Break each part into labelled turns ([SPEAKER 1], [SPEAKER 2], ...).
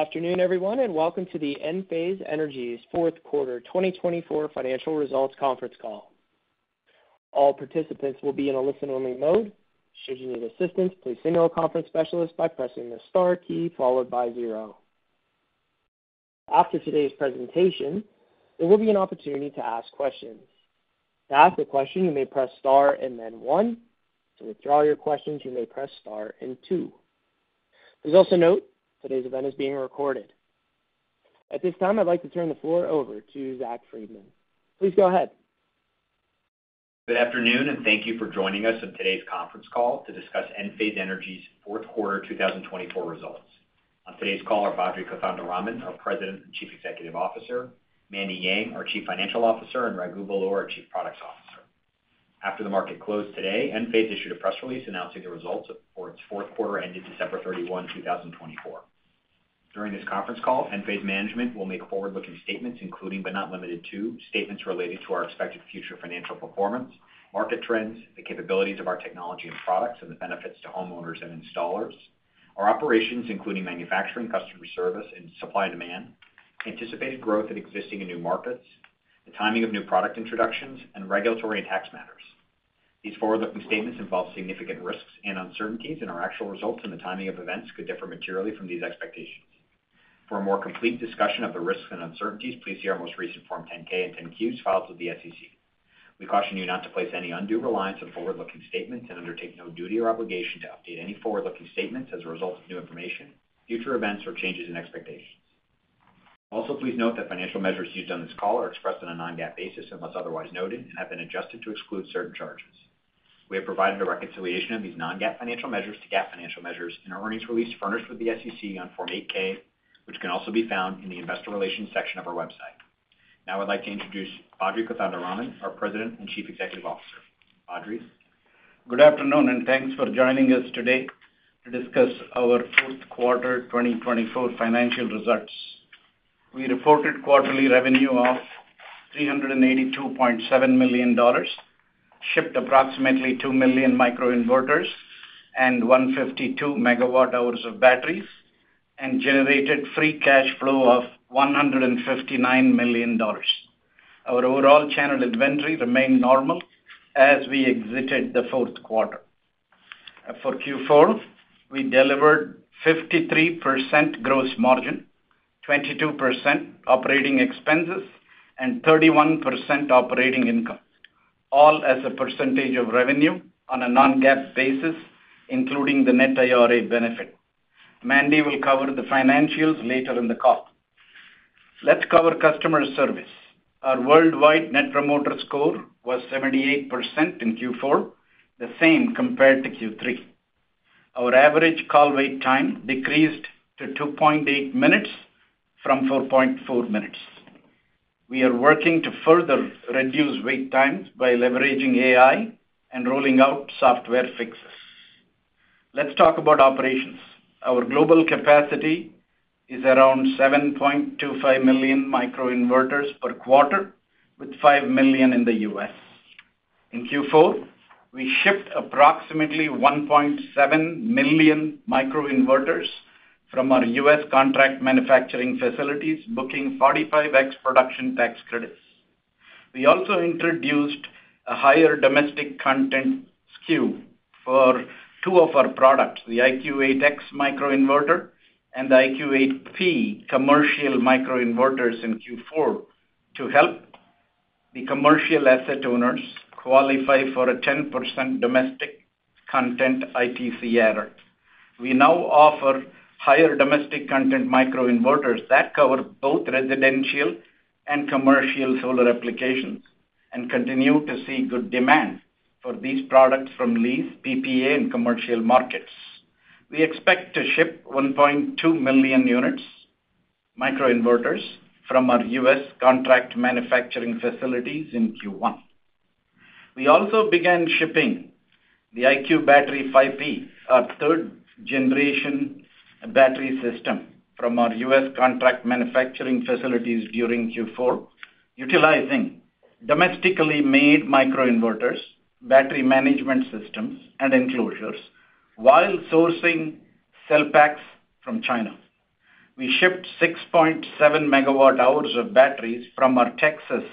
[SPEAKER 1] Good afternoon, everyone, and welcome to the Enphase Energy's fourth quarter 2024 financial results conference call. All participants will be in a listen-only mode. Should you need assistance, please signal a conference specialist by pressing the star key followed by zero. After today's presentation, there will be an opportunity to ask questions. To ask a question, you may press star and then one. To withdraw your questions, you may press star and two. Please also note today's event is being recorded. At this time, I'd like to turn the floor over to Zach Freedman. Please go ahead.
[SPEAKER 2] Good afternoon, and thank you for joining us at today's conference call to discuss Enphase Energy's fourth quarter 2024 results. On today's call are Badri Kothandaraman, our President and Chief Executive Officer; Mandy Yang, our Chief Financial Officer; and Raghu Belur, our Chief Products Officer. After the market closed today, Enphase issued a press release announcing the results for its fourth quarter ended December 31, 2024. During this conference call, Enphase management will make forward-looking statements, including but not limited to statements related to our expected future financial performance, market trends, the capabilities of our technology and products, and the benefits to homeowners and installers, our operations, including manufacturing, customer service, and supply and demand, anticipated growth in existing and new markets, the timing of new product introductions, and regulatory and tax matters. These forward-looking statements involve significant risks and uncertainties, and our actual results and the timing of events could differ materially from these expectations. For a more complete discussion of the risks and uncertainties, please see our most recent Form 10-K and 10-Qs filed with the SEC. We caution you not to place any undue reliance on forward-looking statements and undertake no duty or obligation to update any forward-looking statements as a result of new information, future events, or changes in expectations. Also, please note that financial measures used on this call are expressed on a non-GAAP basis unless otherwise noted and have been adjusted to exclude certain charges. We have provided a reconciliation of these non-GAAP financial measures to GAAP financial measures in our earnings release furnished with the SEC on Form 8-K, which can also be found in the investor relations section of our website. Now, I'd like to introduce Badri Kothandaraman, our President and Chief Executive Officer. Badri.
[SPEAKER 3] Good afternoon, and thanks for joining us today to discuss our fourth quarter 2024 financial results. We reported quarterly revenue of $382.7 million, shipped approximately 2 million microinverters, and 152 megawatt-hours of batteries, and generated free cash flow of $159 million. Our overall channel inventory remained normal as we exited the fourth quarter. For Q4, we delivered 53% gross margin, 22% operating expenses, and 31% operating income, all as a percentage of revenue on a non-GAAP basis, including the net IRA benefit. Mandy will cover the financials later in the call. Let's cover customer service. Our worldwide net promoter score was 78% in Q4, the same compared to Q3. Our average call wait time decreased to 2.8 minutes from 4.4 minutes. We are working to further reduce wait times by leveraging AI and rolling out software fixes. Let's talk about operations. Our global capacity is around 7.25 million microinverters per quarter, with 5 million in the U.S. In Q4, we shipped approximately 1.7 million microinverters from our U.S. contract manufacturing facilities, booking 45X production tax credits. We also introduced a higher domestic content SKU for two of our products, the IQ8X microinverter and the IQ8P commercial microinverters in Q4, to help the commercial asset owners qualify for a 10% domestic content ITC adder. We now offer higher domestic content microinverters that cover both residential and commercial solar applications and continue to see good demand for these products from lease, PPA, and commercial markets. We expect to ship 1.2 million units of microinverters from our U.S. contract manufacturing facilities in Q1. We also began shipping the IQ Battery 5P, our third-generation battery system, from our U.S. contract manufacturing facilities during Q4, utilizing domestically made microinverters, battery management systems, and enclosures, while sourcing cell packs from China. We shipped 6.7 megawatt-hours of batteries from our Texas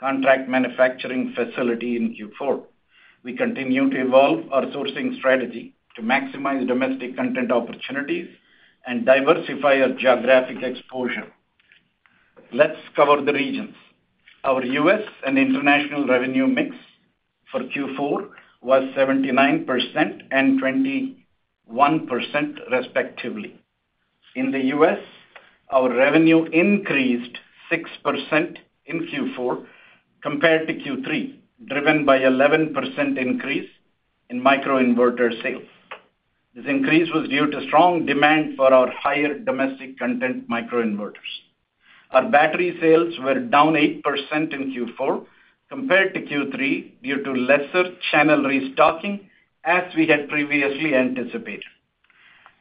[SPEAKER 3] contract manufacturing facility in Q4. We continue to evolve our sourcing strategy to maximize domestic content opportunities and diversify our geographic exposure. Let's cover the regions. Our U.S. and international revenue mix for Q4 was 79% and 21%, respectively. In the U.S., our revenue increased six% in Q4 compared to Q3, driven by an 11% increase in microinverter sales. This increase was due to strong demand for our higher domestic content microinverters. Our battery sales were down eight% in Q4 compared to Q3 due to lesser channel restocking, as we had previously anticipated.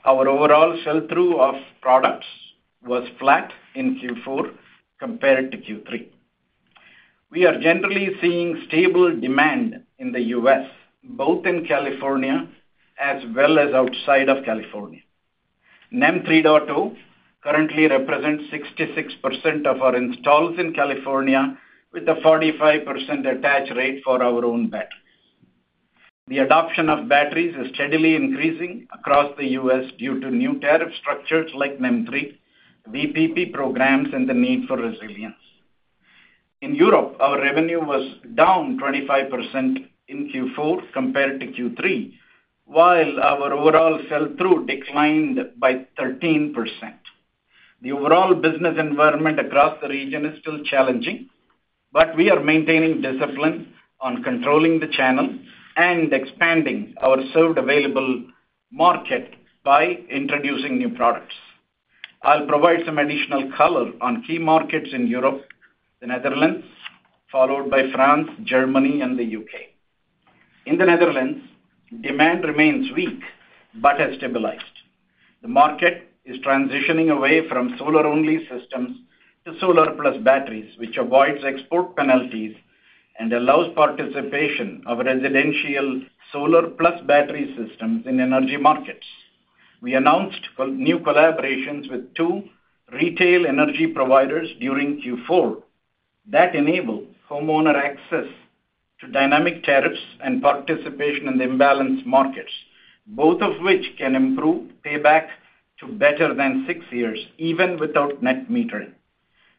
[SPEAKER 3] Our overall sell-through of products was flat in Q4 compared to Q3. We are generally seeing stable demand in the U.S., both in California as well as outside of California. NEM 3.0 currently represents 66% of our installs in California, with a 45% attach rate for our own batteries. The adoption of batteries is steadily increasing across the U.S. due to new tariff structures like NEM 3, VPP programs, and the need for resilience. In Europe, our revenue was down 25% in Q4 compared to Q3, while our overall sell-through declined by 13%. The overall business environment across the region is still challenging, but we are maintaining discipline on controlling the channel and expanding our served available market by introducing new products. I'll provide some additional color on key markets in Europe: the Netherlands, followed by France, Germany, and the U.K. In the Netherlands, demand remains weak but has stabilized. The market is transitioning away from solar-only systems to solar-plus batteries, which avoids export penalties and allows participation of residential solar-plus battery systems in energy markets. We announced new collaborations with two retail energy providers during Q4 that enable homeowner access to dynamic tariffs and participation in the imbalanced markets, both of which can improve payback to better than six years even without net metering.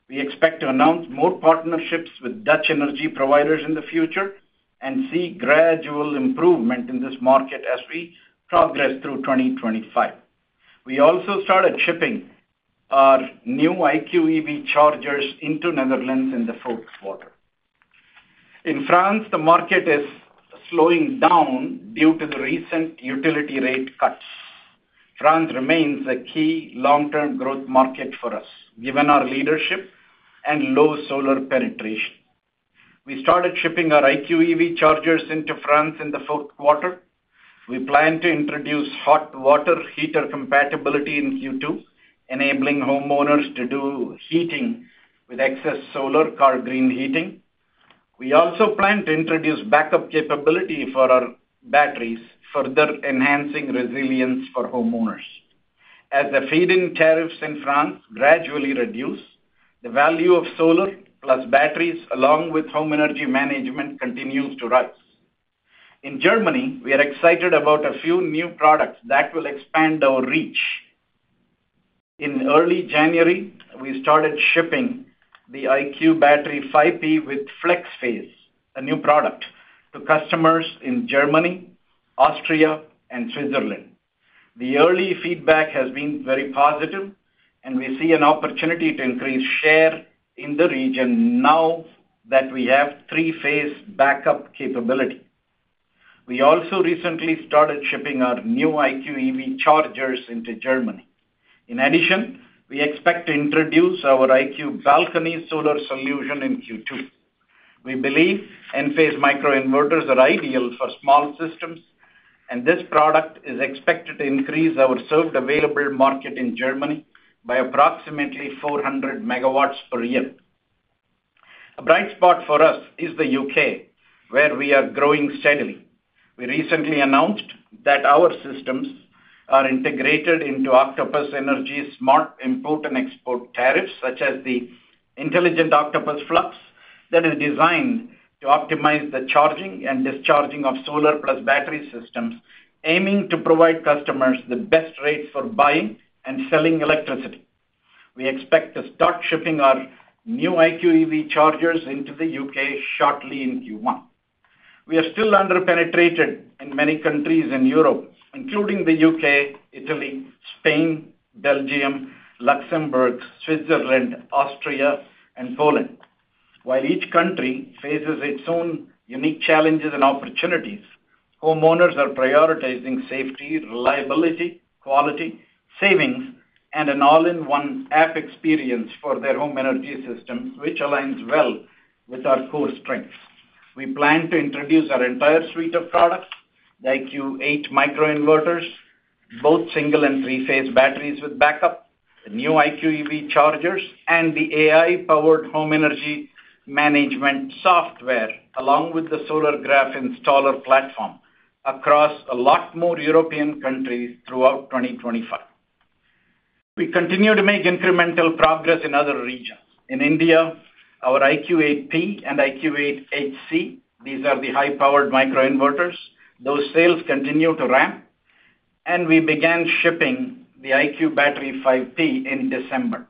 [SPEAKER 3] We expect to announce more partnerships with Dutch energy providers in the future and see gradual improvement in this market as we progress through 2025. We also started shipping our new IQ EV chargers into Netherlands in the fourth quarter. In France, the market is slowing down due to the recent utility rate cuts. France remains a key long-term growth market for us, given our leadership and low solar penetration. We started shipping our IQ EV chargers into France in the fourth quarter. We plan to introduce hot water heater compatibility in Q2, enabling homeowners to do heating with excess solar, our green heating. We also plan to introduce backup capability for our batteries, further enhancing resilience for homeowners. As the feed-in tariffs in France gradually reduce, the value of solar-plus batteries, along with home energy management, continues to rise. In Germany, we are excited about a few new products that will expand our reach. In early January, we started shipping the IQ Battery 5P with FlexPhase, a new product to customers in Germany, Austria, and Switzerland. The early feedback has been very positive, and we see an opportunity to increase share in the region now that we have three-phase backup capability. We also recently started shipping our new IQ EV chargers into Germany. In addition, we expect to introduce our IQ Balcony Solar Solution in Q2. We believe Enphase microinverters are ideal for small systems, and this product is expected to increase our served available market in Germany by approximately 400 megawatts per year. A bright spot for us is the UK, where we are growing steadily. We recently announced that our systems are integrated into Octopus Energy's smart import and export tariffs, such as the Intelligent Octopus Flux that is designed to optimize the charging and discharging of solar-plus battery systems, aiming to provide customers the best rates for buying and selling electricity. We expect to start shipping our new IQ EV chargers into the UK shortly in Q1. We are still under-penetrated in many countries in Europe, including the UK, Italy, Spain, Belgium, Luxembourg, Switzerland, Austria, and Poland. While each country faces its own unique challenges and opportunities, homeowners are prioritizing safety, reliability, quality, savings, and an all-in-one app experience for their home energy systems, which aligns well with our core strengths. We plan to introduce our entire suite of products: the IQ8 microinverters, both single and three-phase batteries with backup, the new IQ EV chargers, and the AI-powered home energy management software, along with the Solargraf installer platform across a lot more European countries throughout 2025. We continue to make incremental progress in other regions. In India, our IQ8P and IQ8HC, these are the high-powered microinverters. Those sales continue to ramp, and we began shipping the IQ Battery 5P in December.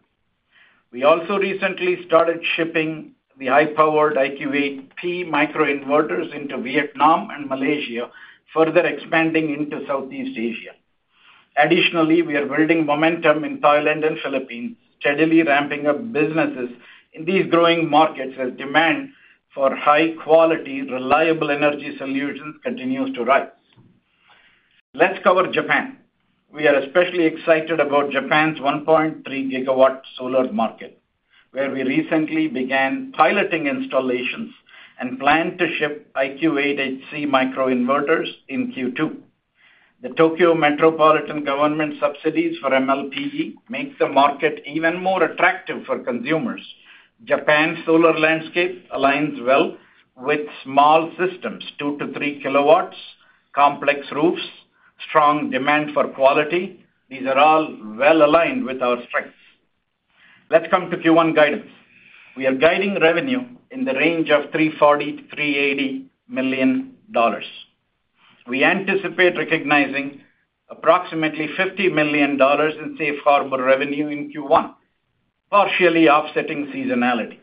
[SPEAKER 3] We also recently started shipping the high-powered IQ8P microinverters into Vietnam and Malaysia, further expanding into Southeast Asia. Additionally, we are building momentum in Thailand and Philippines, steadily ramping up businesses in these growing markets as demand for high-quality, reliable energy solutions continues to rise. Let's cover Japan. We are especially excited about Japan's 1.3 gigawatt solar market, where we recently began piloting installations and plan to ship IQ8HC microinverters in Q2. The Tokyo Metropolitan Government subsidies for MLPE make the market even more attractive for consumers. Japan's solar landscape aligns well with small systems: two to three kilowatts, complex roofs, strong demand for quality. These are all well aligned with our strengths. Let's come to Q1 guidance. We are guiding revenue in the range of $343 million. We anticipate recognizing approximately $50 million in safe harbor revenue in Q1, partially offsetting seasonality.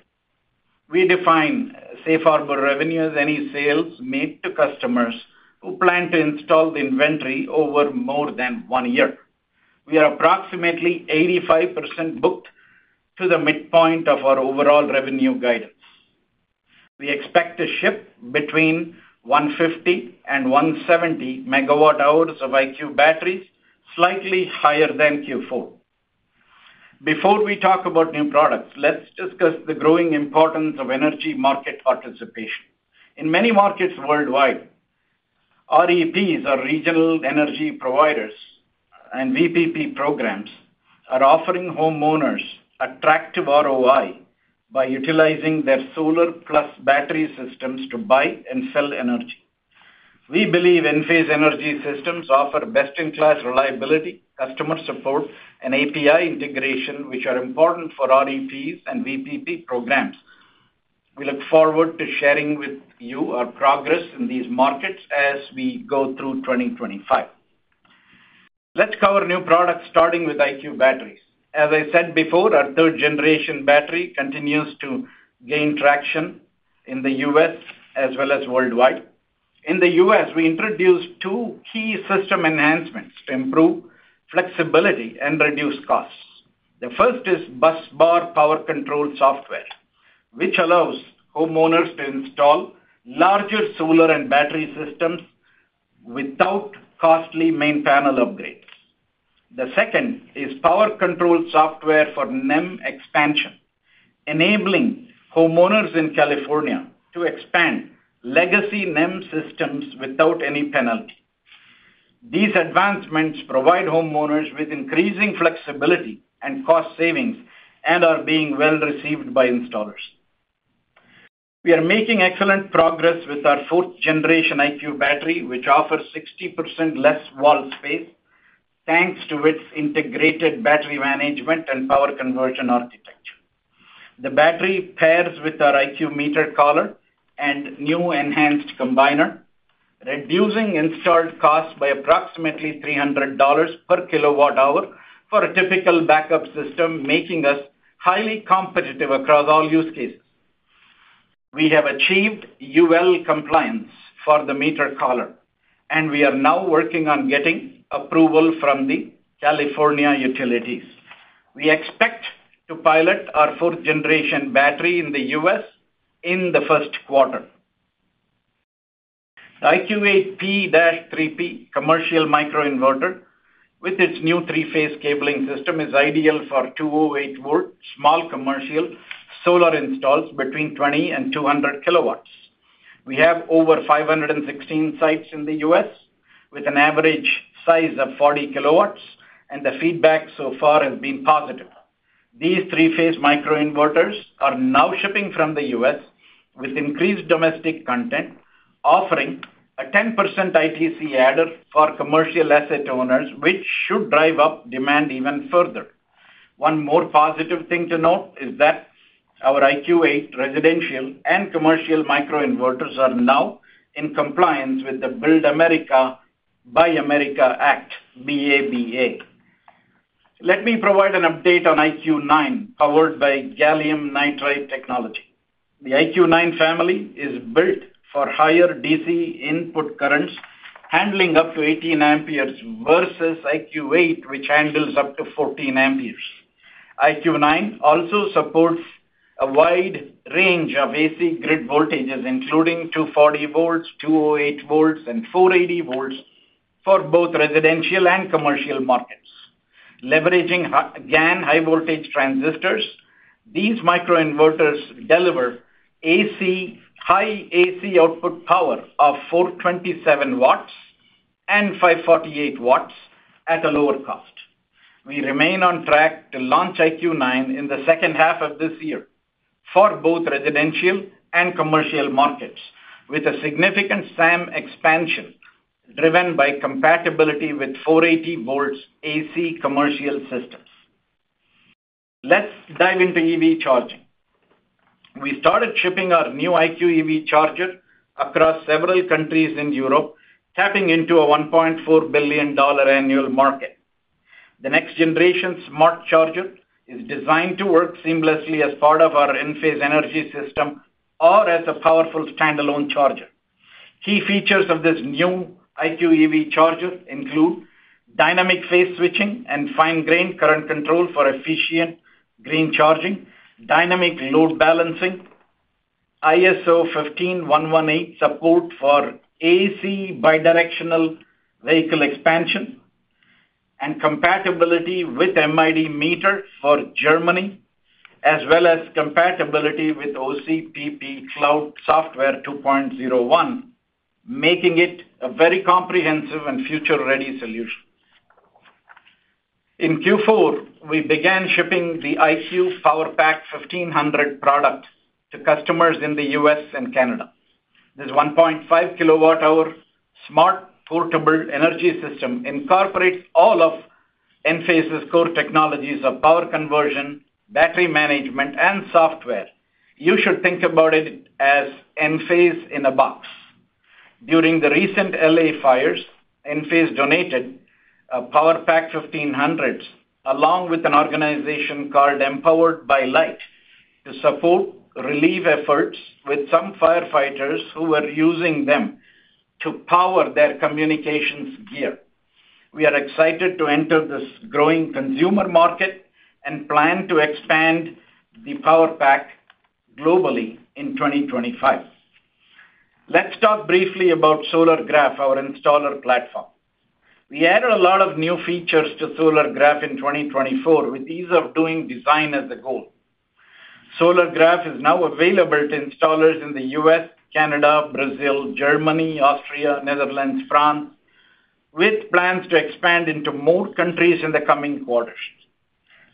[SPEAKER 3] We define safe harbor revenue as any sales made to customers who plan to install the inventory over more than one year. We are approximately 85% booked to the midpoint of our overall revenue guidance. We expect to ship between 150 and 170 megawatt-hours of IQ batteries, slightly higher than Q4. Before we talk about new products, let's discuss the growing importance of energy market participation. In many markets worldwide, REPs, our regional energy providers and VPP programs, are offering homeowners attractive ROI by utilizing their solar-plus battery systems to buy and sell energy. We believe Enphase Energy Systems offers best-in-class reliability, customer support, and API integration, which are important for REPs and VPP programs. We look forward to sharing with you our progress in these markets as we go through 2025. Let's cover new products, starting with IQ batteries. As I said before, our third-generation battery continues to gain traction in the U.S. as well as worldwide. In the U.S., we introduced two key system enhancements to improve flexibility and reduce costs. The first is Busbar Power Control Software, which allows homeowners to install larger solar and battery systems without costly main panel upgrades. The second is power control software for NEM expansion, enabling homeowners in California to expand legacy NEM systems without any penalty. These advancements provide homeowners with increasing flexibility and cost savings and are being well received by installers. We are making excellent progress with our fourth-generation IQ battery, which offers 60% less wall space thanks to its integrated battery management and power conversion architecture. The battery pairs with our IQ Meter Collar and new enhanced combiner, reducing installed costs by approximately $300 per kilowatt-hour for a typical backup system, making us highly competitive across all use cases. We have achieved UL compliance for the meter collar, and we are now working on getting approval from the California utilities. We expect to pilot our fourth-generation battery in the U.S. in the first quarter. The IQ8P-3P commercial microinverter, with its new three-phase cabling system, is ideal for 208-volt small commercial solar installs between 20 and 200 kilowatts. We have over 516 sites in the U.S. with an average size of 40 kilowatts, and the feedback so far has been positive. These three-phase microinverters are now shipping from the U.S. with increased domestic content, offering a 10% ITC added for commercial asset owners, which should drive up demand even further. One more positive thing to note is that our IQ8 residential and commercial microinverters are now in compliance with the Build America, Buy America Act, BABA. Let me provide an update on IQ9, powered by Gallium Nitride Technology. The IQ9 family is built for higher DC input currents, handling up to 18 amperes versus IQ8, which handles up to 14 amperes. IQ9 also supports a wide range of AC grid voltages, including 240 volts, 208 volts, and 480 volts for both residential and commercial markets. Leveraging GaN high-voltage transistors, these microinverters deliver high AC output power of 427 watts and 548 watts at a lower cost. We remain on track to launch IQ9 in the second half of this year for both residential and commercial markets, with a significant SAM expansion driven by compatibility with 480 volts AC commercial systems. Let's dive into EV charging. We started shipping our new IQ EV charger across several countries in Europe, tapping into a $1.4 billion annual market. The next-generation smart charger is designed to work seamlessly as part of our Enphase Energy System or as a powerful standalone charger. Key features of this new IQ EV Charger include dynamic phase switching and fine-grained current control for efficient green charging, dynamic load balancing, ISO 15118 support for AC bidirectional vehicle expansion, and compatibility with MID meter for Germany, as well as compatibility with OCPP Cloud Software 2.0.1, making it a very comprehensive and future-ready solution. In Q4, we began shipping the IQ PowerPack 1500 product to customers in the US and Canada. This 1.5 kilowatt-hour smart portable energy system incorporates all of Enphase's core technologies of power conversion, battery management, and software. You should think about it as Enphase in a box. During the recent LA fires, Enphase donated a PowerPack 1500 along with an organization called Empowered by Light to support relief efforts with some firefighters who were using them to power their communications gear. We are excited to enter this growing consumer market and plan to expand the PowerPack globally in 2025. Let's talk briefly about Solargraf, our installer platform. We added a lot of new features to Solargraf in 2024 with the ease of doing design as a goal. Solargraf is now available to installers in the US, Canada, Brazil, Germany, Austria, Netherlands, France, with plans to expand into more countries in the coming quarters.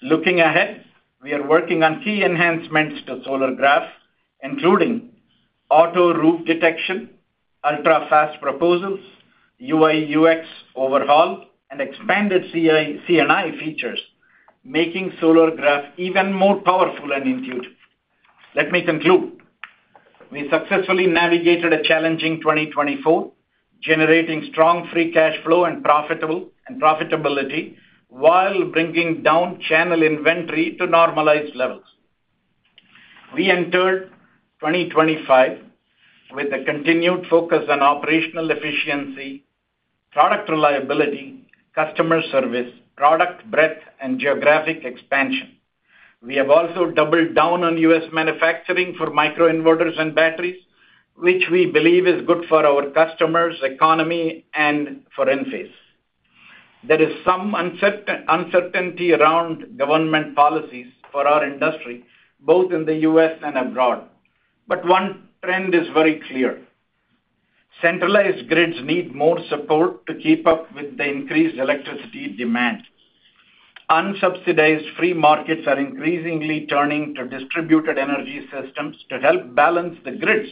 [SPEAKER 3] Looking ahead, we are working on key enhancements to Solargraf, including auto roof detection, ultra-fast proposals, UI/UX overhaul, and expanded C&I features, making Solargraf even more powerful and intuitive. Let me conclude. We successfully navigated a challenging 2024, generating strong free cash flow and profitability while bringing down channel inventory to normalized levels. We entered 2025 with a continued focus on operational efficiency, product reliability, customer service, product breadth, and geographic expansion. We have also doubled down on U.S. manufacturing for microinverters and batteries, which we believe is good for our customers, economy, and for Enphase. There is some uncertainty around government policies for our industry, both in the U.S. and abroad, but one trend is very clear. Centralized grids need more support to keep up with the increased electricity demand. Unsubsidized free markets are increasingly turning to distributed energy systems to help balance the grids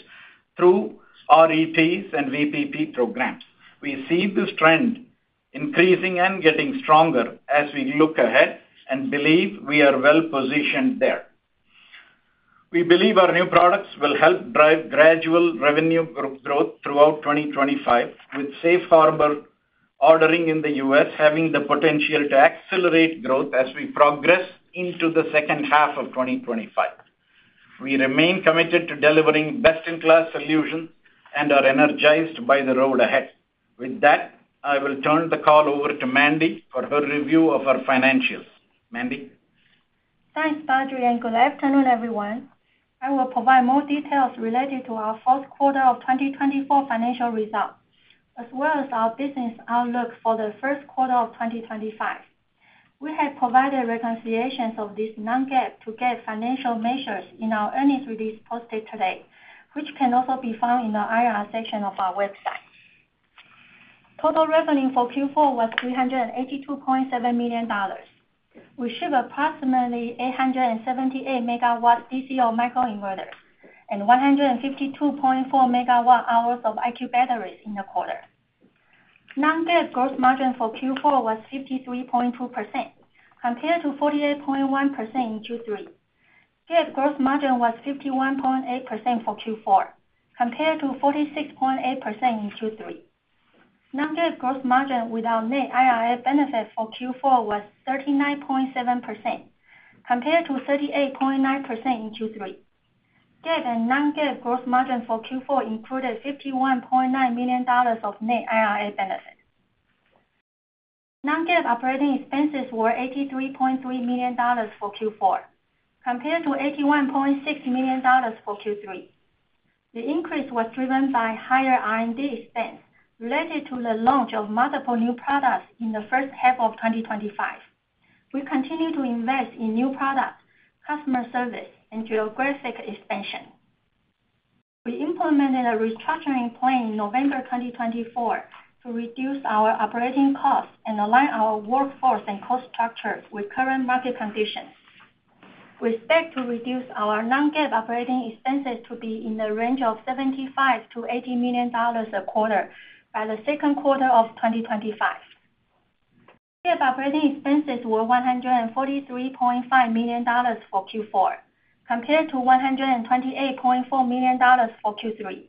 [SPEAKER 3] through REPs and VPP programs. We see this trend increasing and getting stronger as we look ahead and believe we are well positioned there. We believe our new products will help drive gradual revenue growth throughout 2025, with safe harbor ordering in the U.S. having the potential to accelerate growth as we progress into the second half of 2025. We remain committed to delivering best-in-class solutions and are energized by the road ahead. With that, I will turn the call over to Mandy for her review of our financials.
[SPEAKER 1] Mandy.
[SPEAKER 4] Thanks, Badri and Raghu. Good afternoon, everyone. I will provide more details related to our fourth quarter of 2024 financial results, as well as our business outlook for the first quarter of 2025. We have provided reconciliations of non-GAAP to GAAP financial measures in our earnings release posted today, which can also be found in the IR section of our website. Total revenue for Q4 was $382.7 million. We shipped approximately 878 megawatts DC of microinverters and 152.4 megawatt-hours of IQ batteries in the quarter. Non-GAAP gross margin for Q4 was 53.2%, compared to 48.1% in Q3. GAAP gross margin was 51.8% for Q4, compared to 46.8% in Q3. Non-GAAP gross margin without net IRA benefit for Q4 was 39.7%, compared to 38.9% in Q3. GAAP and non-GAAP gross margin for Q4 included $51.9 million of net IRA benefit. Non-GAAP operating expenses were $83.3 million for Q4, compared to $81.6 million for Q3. The increase was driven by higher R&D expense related to the launch of multiple new products in the first half of 2025. We continue to invest in new products, customer service, and geographic expansion. We implemented a restructuring plan in November 2024 to reduce our operating costs and align our workforce and cost structure with current market conditions. We expect to reduce our non-GAAP operating expenses to be in the range of $75-$80 million a quarter by the second quarter of 2025. GAAP operating expenses were $143.5 million for Q4, compared to $128.4 million for Q3.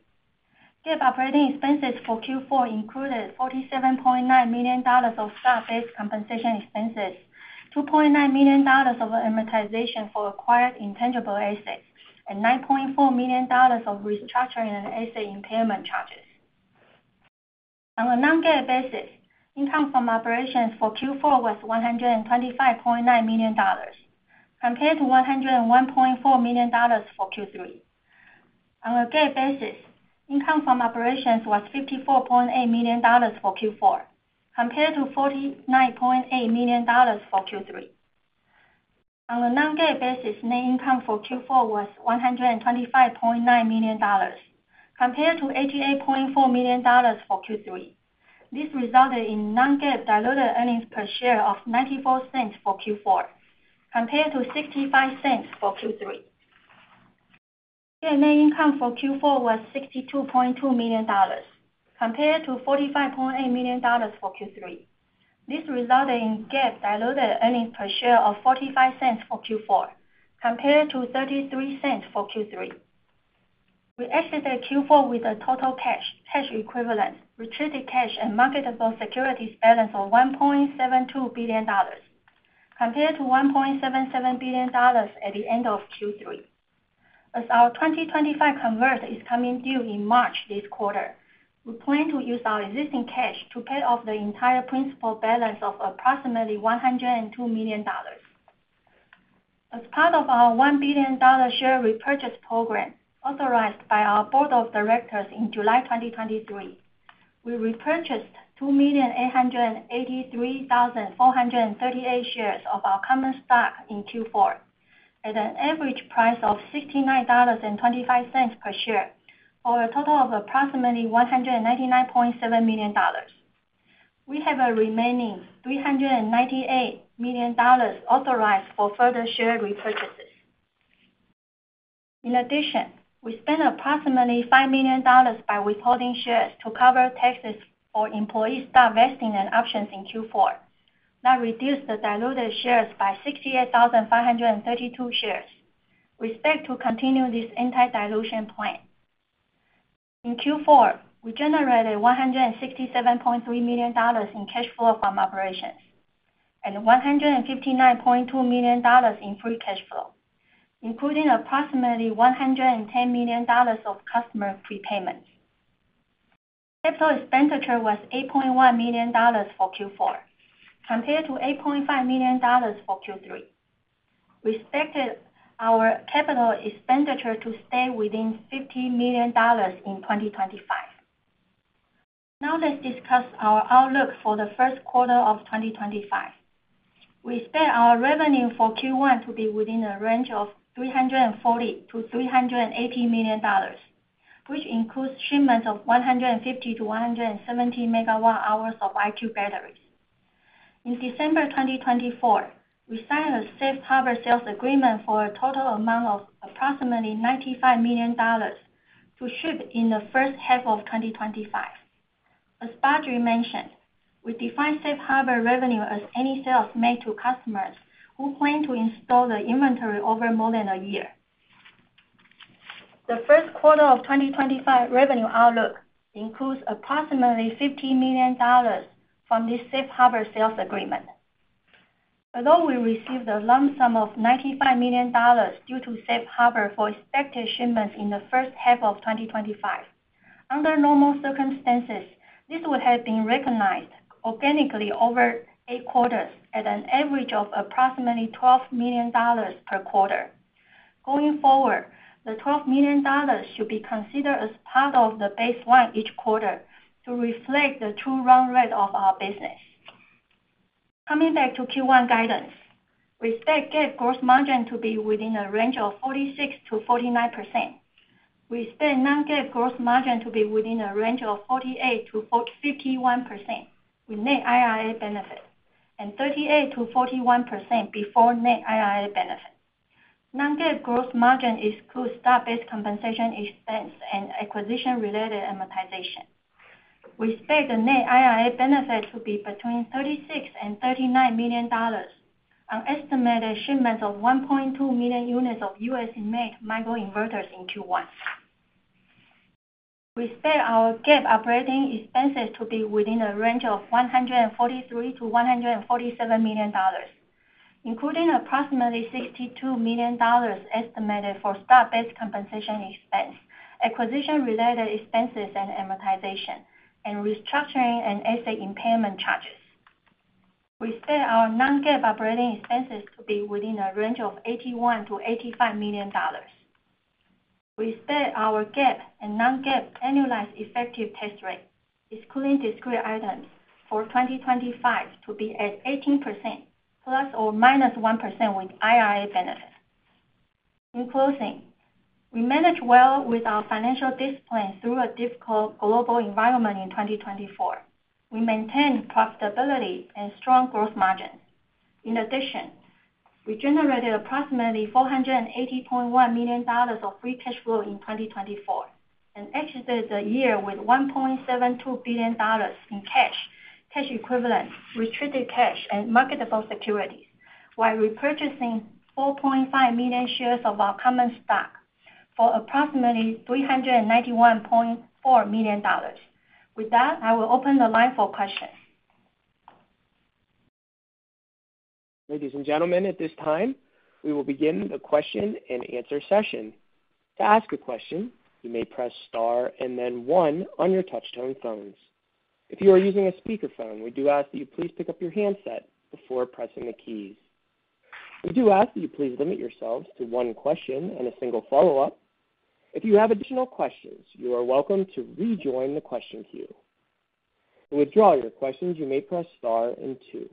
[SPEAKER 4] GAAP operating expenses for Q4 included $47.9 million of stock-based compensation expenses, $2.9 million of amortization for acquired intangible assets, and $9.4 million of restructuring and asset impairment charges. On a non-GAAP basis, income from operations for Q4 was $125.9 million, compared to $101.4 million for Q3. On a GAAP basis, income from operations was $54.8 million for Q4, compared to $49.8 million for Q3. On a non-GAAP basis, net income for Q4 was $125.9 million, compared to $88.4 million for Q3. This resulted in non-GAAP diluted earnings per share of $0.94 for Q4, compared to $0.65 for Q3. Net income for Q4 was $62.2 million, compared to $45.8 million for Q3. This resulted in GAAP diluted earnings per share of $0.45 for Q4, compared to $0.33 for Q3. We exited Q4 with a total cash, cash equivalents, restricted cash, and marketable securities balance of $1.72 billion, compared to $1.77 billion at the end of Q3. As our 2025 convertible is coming due in March this quarter, we plan to use our existing cash to pay off the entire principal balance of approximately $102 million. As part of our $1 billion share repurchase program authorized by our board of directors in July 2023, we repurchased 2,883,438 shares of our common stock in Q4 at an average price of $69.25 per share for a total of approximately $199.7 million. We have a remaining $398 million authorized for further share repurchases. In addition, we spent approximately $5 million by withholding shares to cover taxes for employee stock vesting and options in Q4. That reduced the diluted shares by 68,532 shares. We expect to continue this anti-dilution plan. In Q4, we generated $167.3 million in cash flow from operations and $159.2 million in free cash flow, including approximately $110 million of customer prepayments. Capital expenditure was $8.1 million for Q4, compared to $8.5 million for Q3. We expected our capital expenditure to stay within $50 million in 2025. Now let's discuss our outlook for the first quarter of 2025. We expect our revenue for Q1 to be within the range of $340-$380 million, which includes shipments of 150-170 megawatt-hours of IQ batteries. In December 2024, we signed a Safe Harbor sales agreement for a total amount of approximately $95 million to ship in the first half of 2025. As Badri mentioned, we define Safe Harbor revenue as any sales made to customers who plan to install the inventory over more than a year. The first quarter of 2025 revenue outlook includes approximately $50 million from this safe harbor sales agreement. Although we received a lump sum of $95 million due to safe harbor for expected shipments in the first half of 2025, under normal circumstances, this would have been recognized organically over eight quarters at an average of approximately $12 million per quarter. Going forward, the $12 million should be considered as part of the baseline each quarter to reflect the true run rate of our business. Coming back to Q1 guidance, we expect GAAP gross margin to be within the range of 46%-49%. We expect non-GAAP gross margin to be within the range of 48%-51% with net IRA benefit and 38%-41% before net IRA benefit. Non-GAAP gross margin excludes stock-based compensation expense and acquisition-related amortization. We expect the net IRA benefit to be between $36-$39 million on estimated shipments of 1.2 million units of US-made microinverters in Q1. We expect our GAAP operating expenses to be within the range of $143-$147 million, including approximately $62 million estimated for stock-based compensation expense, acquisition-related expenses and amortization, and restructuring and asset impairment charges. We expect our non-GAAP operating expenses to be within the range of $81-$85 million. We expect our GAAP and non-GAAP annualized effective tax rate, excluding discrete items, for 2025 to be at 18% plus or minus 1% with IRA benefit. In closing, we managed well with our financial discipline through a difficult global environment in 2024. We maintained profitability and strong gross margins. In addition, we generated approximately $480.1 million of free cash flow in 2024 and exited the year with $1.72 billion in cash, cash equivalents, restricted cash, and marketable securities, while repurchasing 4.5 million shares of our common stock for approximately $391.4 million. With that, I will open the line for questions.
[SPEAKER 1] Ladies and gentlemen, at this time, we will begin the question and answer session. To ask a question, you may press star and then one on your touchtone phones. If you are using a speakerphone, we do ask that you please pick up your handset before pressing the keys. We do ask that you please limit yourselves to one question and a single follow-up. If you have additional questions, you are welcome to rejoin the question queue. To withdraw your questions, you may press star and two.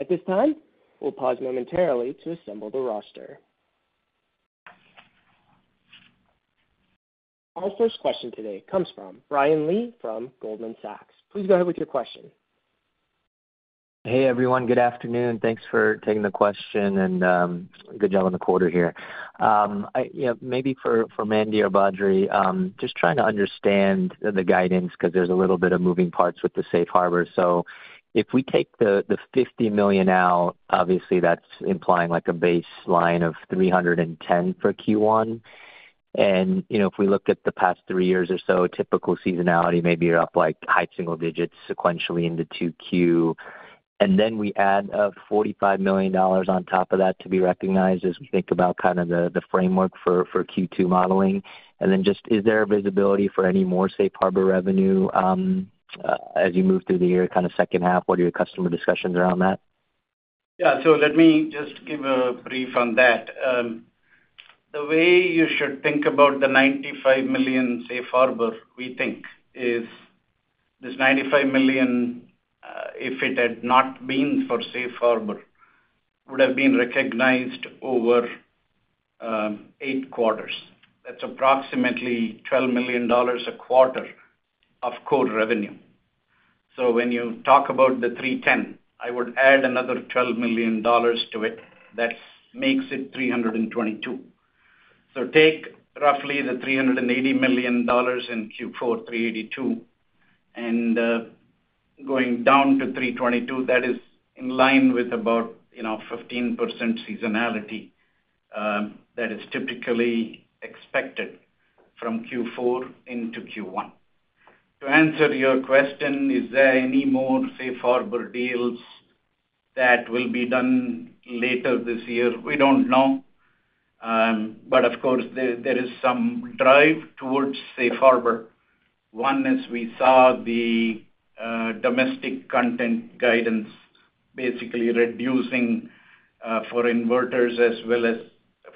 [SPEAKER 1] At this time, we'll pause momentarily to assemble the roster. Our first question today comes from Brian Lee from Goldman Sachs. Please go ahead with your question.
[SPEAKER 5] Hey, everyone. Good afternoon. Thanks for taking the question and good job on the quarter here. Maybe for Mandy or Badri, just trying to understand the guidance because there's a little bit of moving parts with the safe harbor. So if we take the $50 million out, obviously that's implying like a baseline of $310 for Q1. And if we look at the past three years or so, typical seasonality may be up like high single digits sequentially into Q2. And then we add $45 million on top of that to be recognized as we think about kind of the framework for Q2 modeling. And then just is there visibility for any more safe harbor revenue as you move through the year, kind of second half? What are your customer discussions around that?
[SPEAKER 3] Yeah. So let me just give a brief on that. The way you should think about the $95 million safe harbor, we think, is this $95 million, if it had not been for safe harbor, would have been recognized over eight quarters. That's approximately $12 million a quarter of core revenue. So when you talk about the $310, I would add another $12 million to it. That makes it $322. So take roughly the $380 million in Q4, $382, and going down to $322, that is in line with about 15% seasonality that is typically expected from Q4 into Q1. To answer your question, is there any more safe harbor deals that will be done later this year? We don't know. But of course, there is some drive towards safe harbor. One is we saw the domestic content guidance basically reducing for inverters as well as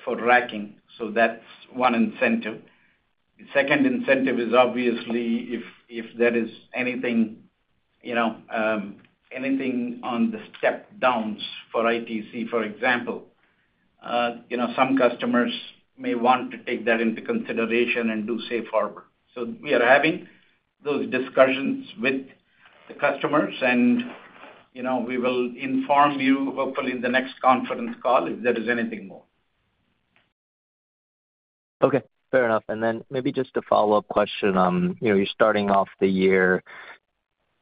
[SPEAKER 3] for racking. So that's one incentive. The second incentive is obviously if there is anything on the step-downs for ITC, for example, some customers may want to take that into consideration and do safe harbor. So we are having those discussions with the customers, and we will inform you, hopefully, in the next conference call if there is anything more.
[SPEAKER 5] Okay. Fair enough. And then maybe just a follow-up question. You're starting off the year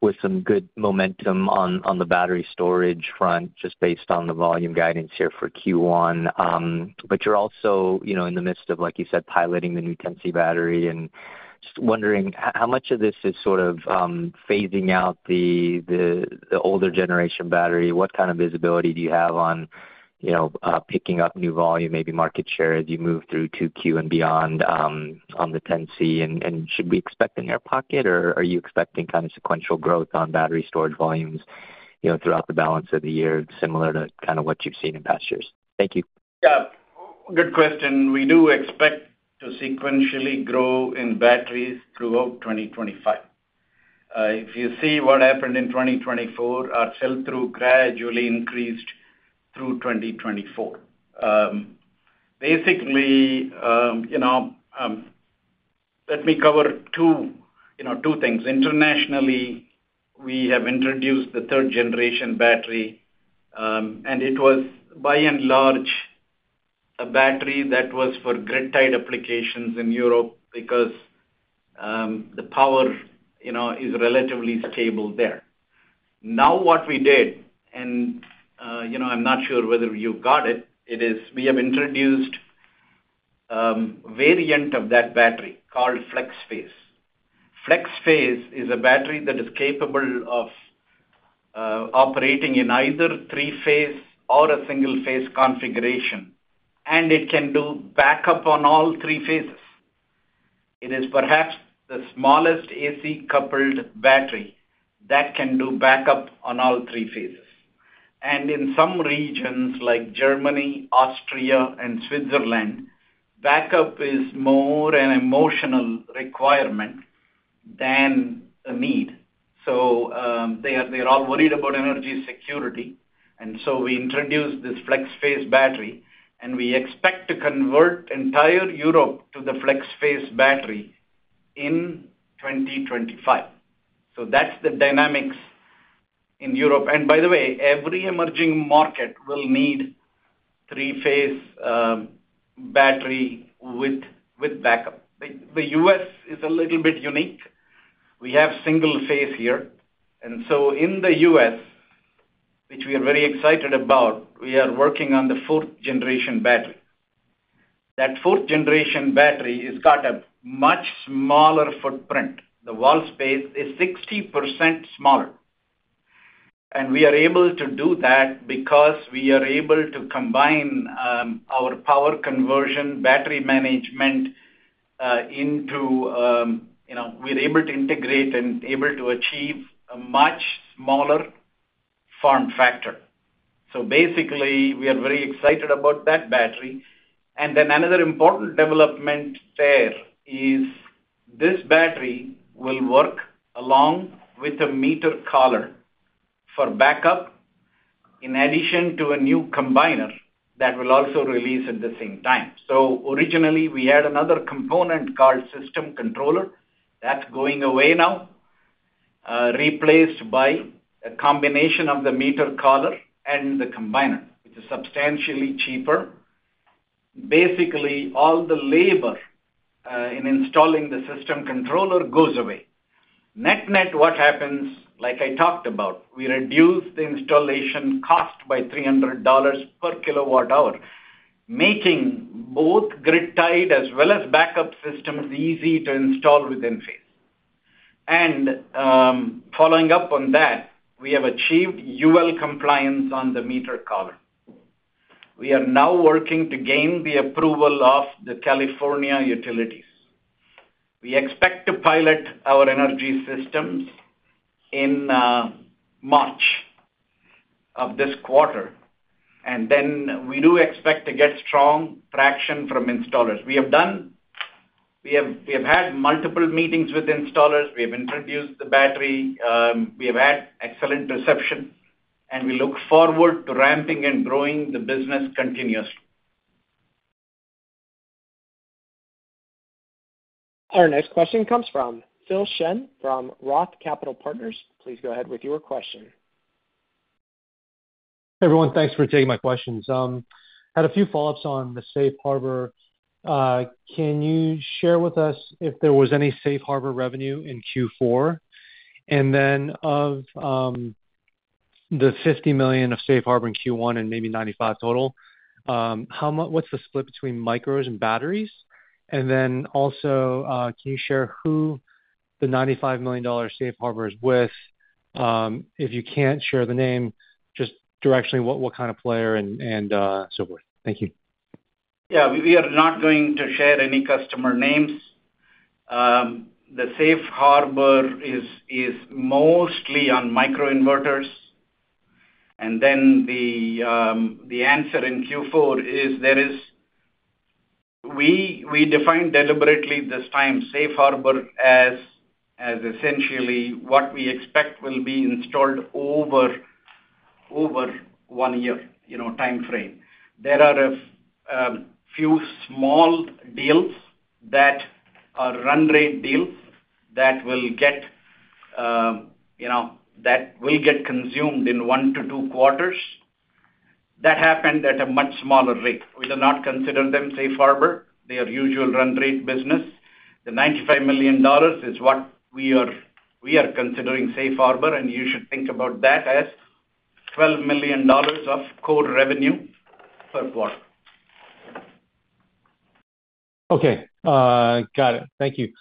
[SPEAKER 5] with some good momentum on the battery storage front, just based on the volume guidance here for Q1. But you're also in the midst of, like you said, piloting the new Tennessee battery. And just wondering how much of this is sort of phasing out the older generation battery? What kind of visibility do you have on picking up new volume, maybe market share as you move through Q2 and beyond on the Tennessee? Should we expect an air pocket, or are you expecting kind of sequential growth on battery storage volumes throughout the balance of the year, similar to kind of what you've seen in past years? Thank you.
[SPEAKER 3] Yeah. Good question. We do expect to sequentially grow in batteries throughout 2025. If you see what happened in 2024, our sell-through gradually increased through 2024. Basically, let me cover two things. Internationally, we have introduced the third-generation battery, and it was, by and large, a battery that was for grid-tied applications in Europe because the power is relatively stable there. Now what we did, and I'm not sure whether you got it, we have introduced a variant of that battery called FlexPhase. FlexPhase is a battery that is capable of operating in either three-phase or a single-phase configuration, and it can do backup on all three phases. It is perhaps the smallest AC-coupled battery that can do backup on all three phases. And in some regions like Germany, Austria, and Switzerland, backup is more an emotional requirement than a need. So they're all worried about energy security. And so we introduced this FlexPhase battery, and we expect to convert entire Europe to the FlexPhase battery in 2025. So that's the dynamics in Europe. And by the way, every emerging market will need a three-phase battery with backup. The U.S. is a little bit unique. We have single-phase here. And so in the U.S., which we are very excited about, we are working on the fourth-generation battery. That fourth-generation battery has got a much smaller footprint. The wall space is 60% smaller. We are able to do that because we are able to combine our power conversion and battery management. We're able to integrate and achieve a much smaller form factor. So basically, we are very excited about that battery. Another important development there is this battery will work along with a meter collar for backup in addition to a new combiner that will also release at the same time. So originally, we had another component called system controller. That's going away now, replaced by a combination of the meter collar and the combiner, which is substantially cheaper. Basically, all the labor in installing the system controller goes away. Net-net, what happens, like I talked about, we reduce the installation cost by $300 per kilowatt-hour, making both grid-tied as well as backup systems easy to install with Enphase. Following up on that, we have achieved UL compliance on the meter collar. We are now working to gain the approval of the California utilities. We expect to pilot our energy systems in March of this quarter. Then we do expect to get strong traction from installers. We have had multiple meetings with installers. We have introduced the battery. We have had excellent reception. We look forward to ramping and growing the business continuously.
[SPEAKER 1] Our next question comes from Phil Shen from ROTH Capital Partners. Please go ahead with your question.
[SPEAKER 6] Hey, everyone. Thanks for taking my questions. Had a few follow-ups on the safe harbor. Can you share with us if there was any safe harbor revenue in Q4? Then of the $50 million of safe harbor in Q1 and maybe $95 total, what's the split between micros and batteries? And then also, can you share who the $95 million safe harbor is with? If you can't share the name, just directionally what kind of player and so forth. Thank you.
[SPEAKER 3] Yeah. We are not going to share any customer names. The safe harbor is mostly on microinverters. And then the answer in Q4 is there. We defined deliberately this time safe harbor as essentially what we expect will be installed over one year timeframe. There are a few small deals that are run-rate deals that will get consumed in one to two quarters. That happened at a much smaller rate. We do not consider them safe harbor. They are usual run-rate business. The $95 million is what we are considering safe harbor. And you should think about that as $12 million of core revenue per quarter.
[SPEAKER 6] Okay. Got it. Thank you.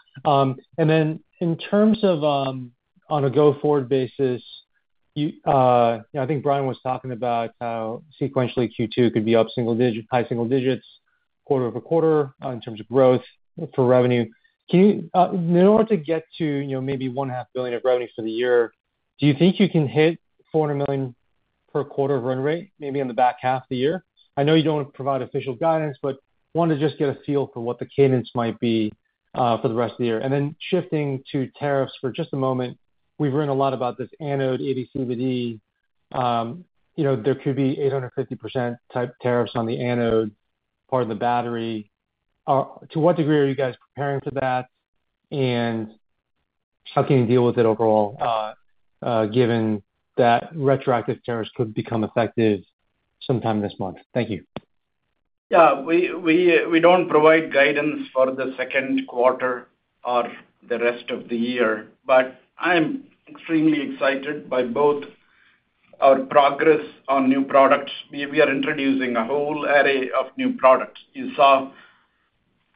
[SPEAKER 6] Then, in terms of on a go-forward basis, I think Brian was talking about how sequentially Q2 could be up high single digits, quarter over quarter, in terms of growth for revenue. In order to get to maybe $500 million of revenue for the year, do you think you can hit $400 million per quarter of run rate, maybe in the back half of the year? I know you don't want to provide official guidance, but wanted to just get a feel for what the cadence might be for the rest of the year. Then, shifting to tariffs for just a moment, we've written a lot about this anode ADCVD. There could be 850% type tariffs on the anode part of the battery. To what degree are you guys preparing for that? And how can you deal with it overall, given that retroactive tariffs could become effective sometime this month? Thank you.
[SPEAKER 3] Yeah. We don't provide guidance for the second quarter or the rest of the year. But I'm extremely excited by both our progress on new products. We are introducing a whole array of new products. You saw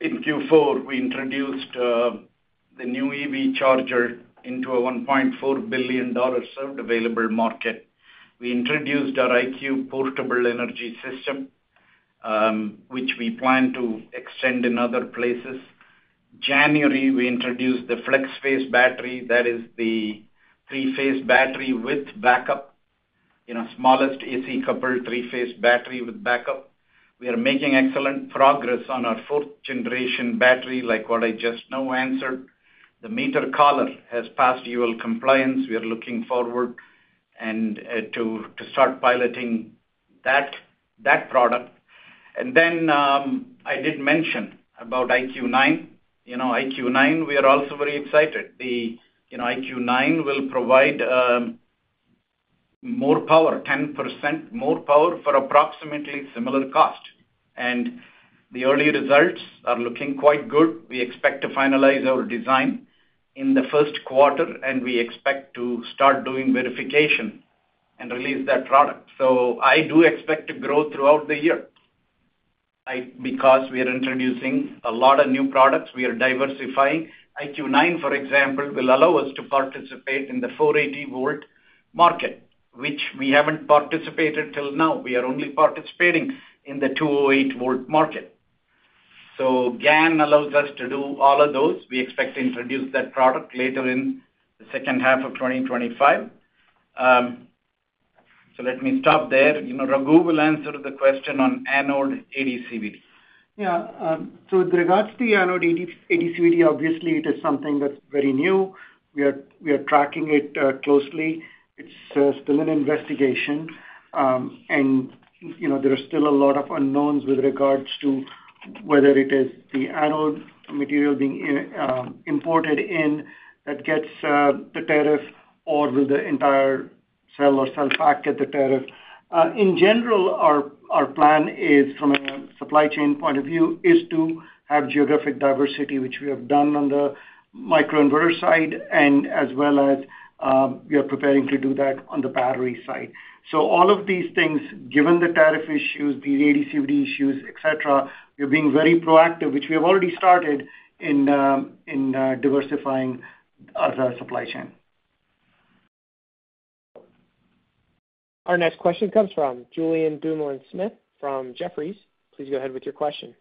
[SPEAKER 3] in Q4, we introduced the new EV charger into a $1.4 billion served available market. We introduced our IQ portable energy system, which we plan to extend in other places. January, we introduced the FlexPhase battery. That is the three-phase battery with backup, smallest AC-coupled three-phase battery with backup. We are making excellent progress on our fourth-generation battery, like what I just now answered. The meter collar has passed UL compliance. We are looking forward to start piloting that product. And then I did mention about IQ9. IQ9, we are also very excited. The IQ9 will provide more power, 10% more power for approximately similar cost. And the early results are looking quite good. We expect to finalize our design in the first quarter, and we expect to start doing verification and release that product. So I do expect to grow throughout the year because we are introducing a lot of new products. We are diversifying. IQ9, for example, will allow us to participate in the 480-volt market, which we haven't participated till now. We are only participating in the 208-volt market. So GaN allows us to do all of those. We expect to introduce that product later in the second half of 2025. So let me stop there. Raghu will answer the question on anode ADCVD.
[SPEAKER 7] Yeah. So with regards to the anode ADCVD, obviously, it is something that's very new. We are tracking it closely. It's still in investigation. There are still a lot of unknowns with regards to whether it is the anode material being imported in that gets the tariff, or will the entire cell or cell pack get the tariff. In general, our plan is, from a supply chain point of view, is to have geographic diversity, which we have done on the microinverter side, and as well as we are preparing to do that on the battery side. All of these things, given the tariff issues, the ADCVD issues, etc., we are being very proactive, which we have already started in diversifying our supply chain.
[SPEAKER 1] Our next question comes from Julian Dumoulin-Smith from Jefferies. Please go ahead with your question.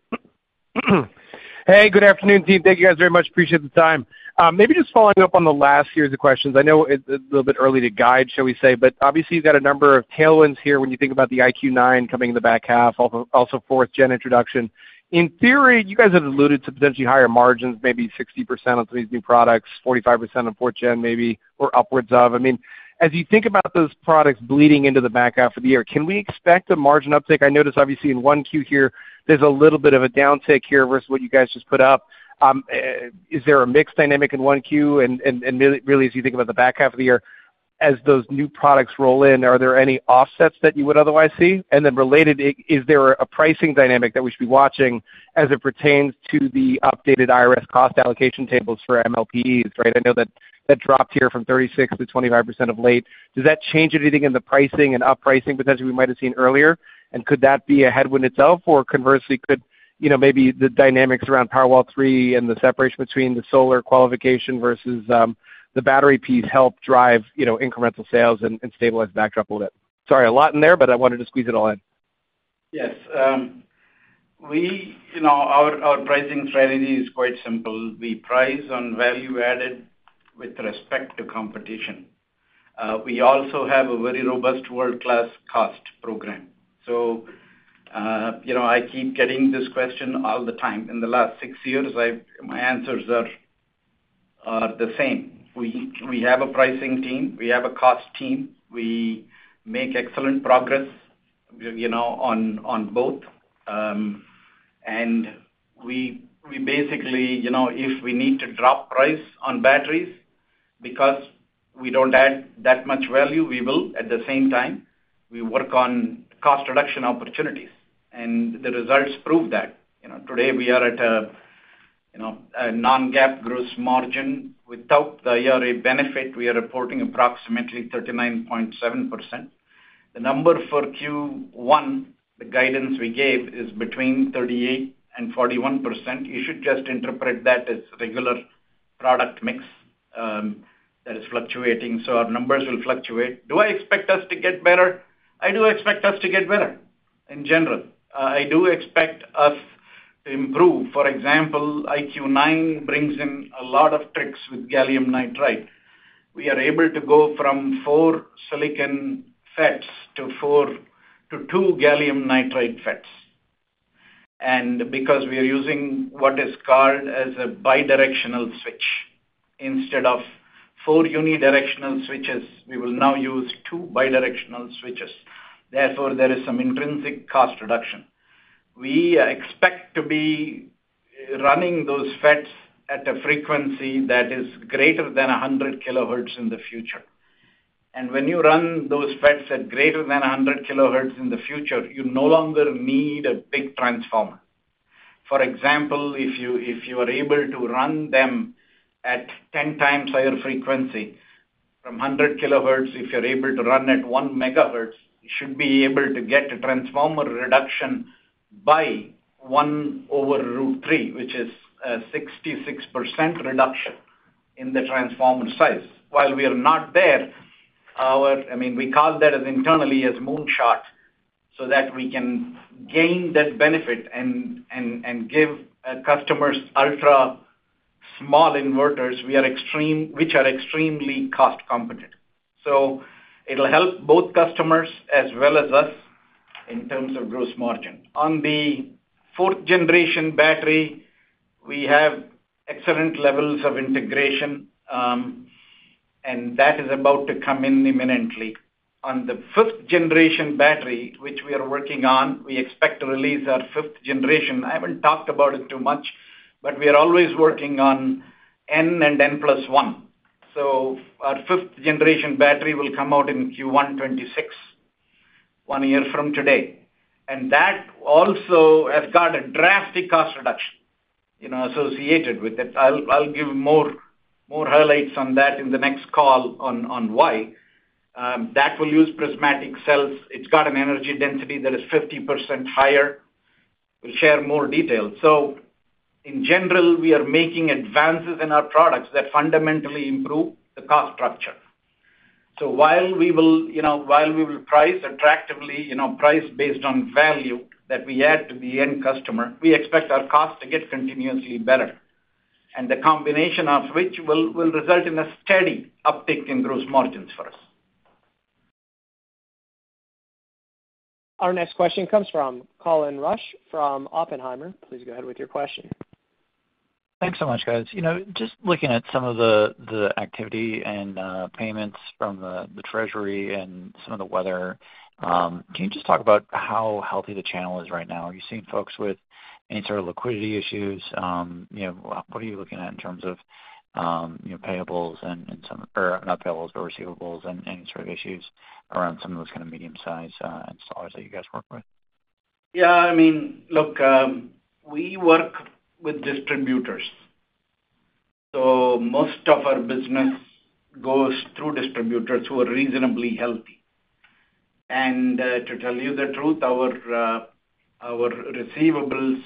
[SPEAKER 8] Hey, good afternoon, team. Thank you guys very much. Appreciate the time. Maybe just following up on the last series of questions. I know it's a little bit early to guide, shall we say, but obviously, you've got a number of tailwinds here when you think about the IQ9 coming in the back half, also fourth-gen introduction. In theory, you guys have alluded to potentially higher margins, maybe 60% on some of these new products, 45% on fourth-gen maybe, or upwards of. I mean, as you think about those products bleeding into the back half of the year, can we expect a margin uptick? I noticed, obviously, in one Q here, there's a little bit of a downtick here versus what you guys just put up. Is there a mixed dynamic in one Q? And really, as you think about the back half of the year, as those new products roll in, are there any offsets that you would otherwise see? And then related, is there a pricing dynamic that we should be watching as it pertains to the updated IRS cost allocation tables for MLPE, right? I know that that dropped here from 36% to 25% of late. Does that change anything in the pricing and uppricing potentially we might have seen earlier? And could that be a headwind itself? Or conversely, could maybe the dynamics around Powerwall 3 and the separation between the solar qualification versus the battery piece help drive incremental sales and stabilize backdrop a little bit? Sorry, a lot in there, but I wanted to squeeze it all in.
[SPEAKER 7] Yes. Our pricing strategy is quite simple. We price on value added with respect to competition. We also have a very robust world-class cost program. So I keep getting this question all the time. In the last six years, my answers are the same. We have a pricing team. We have a cost team. We make excellent progress on both, and we basically, if we need to drop price on batteries because we don't add that much value, we will. At the same time, we work on cost reduction opportunities, and the results prove that. Today, we are at a non-GAAP gross margin. Without the IRA benefit, we are reporting approximately 39.7%. The number for Q1, the guidance we gave, is between 38%-41%. You should just interpret that as regular product mix that is fluctuating. So our numbers will fluctuate. Do I expect us to get better? I do expect us to get better in general. I do expect us to improve. For example, IQ9 brings in a lot of tricks with gallium nitride. We are able to go from four silicon FETs to two gallium nitride FETs. Because we are using what is called as a bidirectional switch, instead of four unidirectional switches, we will now use two bidirectional switches. Therefore, there is some intrinsic cost reduction. We expect to be running those FETs at a frequency that is greater than 100 kilohertz in the future. When you run those FETs at greater than 100 kilohertz in the future, you no longer need a big transformer. For example, if you are able to run them at 10 times higher frequency from 100 kilohertz, if you're able to run at one megahertz, you should be able to get a transformer reduction by one over root three, which is a 66% reduction in the transformer size. While we are not there, I mean, we call that internally as moonshot so that we can gain that benefit and give customers ultra small inverters, which are extremely cost competent. It'll help both customers as well as us in terms of gross margin. On the fourth-generation battery, we have excellent levels of integration, and that is about to come in imminently. On the fifth-generation battery, which we are working on, we expect to release our fifth generation. I haven't talked about it too much, but we are always working on N and N plus 1. Our fifth-generation battery will come out in Q1 2026, one year from today. And that also has got a drastic cost reduction associated with it. I'll give more highlights on that in the next call on why. That will use prismatic cells. It's got an energy density that is 50% higher. We'll share more details. So in general, we are making advances in our products that fundamentally improve the cost structure. So while we will price attractively, price based on value that we add to the end customer, we expect our cost to get continuously better. And the combination of which will result in a steady uptick in gross margins for us.
[SPEAKER 1] Our next question comes from Colin Rusch from Oppenheimer. Please go ahead with your question.
[SPEAKER 9] Thanks so much, guys. Just looking at some of the activity and payments from the Treasury and some of the weather, can you just talk about how healthy the channel is right now? Are you seeing folks with any sort of liquidity issues? What are you looking at in terms of payables and some or not payables, but receivables and any sort of issues around some of those kind of medium-sized installers that you guys work with?
[SPEAKER 7] Yeah. I mean, look, we work with distributors. So most of our business goes through distributors who are reasonably healthy. And to tell you the truth, our receivables,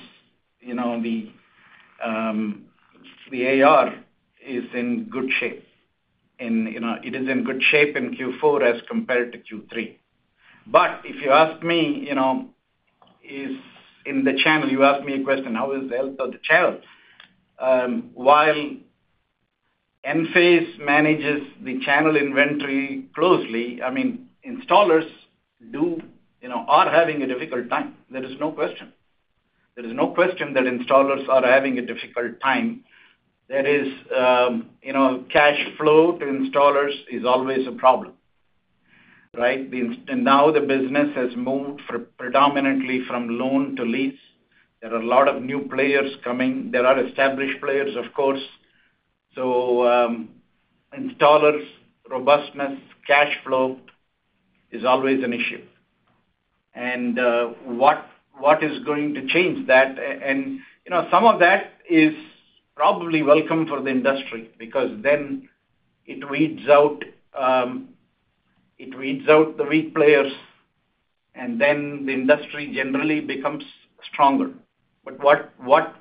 [SPEAKER 7] the AR is in good shape. It is in good shape in Q4 as compared to Q3. But if you ask me, in the channel, you ask me a question, how is the health of the channel? While Enphase manages the channel inventory closely, I mean, installers are having a difficult time. There is no question. There is no question that installers are having a difficult time. That is, cash flow to installers is always a problem, right? And now the business has moved predominantly from loan to lease. There are a lot of new players coming. There are established players, of course. So installers' robustness, cash flow is always an issue. And what is going to change that? Some of that is probably welcome for the industry because then it weeds out the weak players. The industry generally becomes stronger. What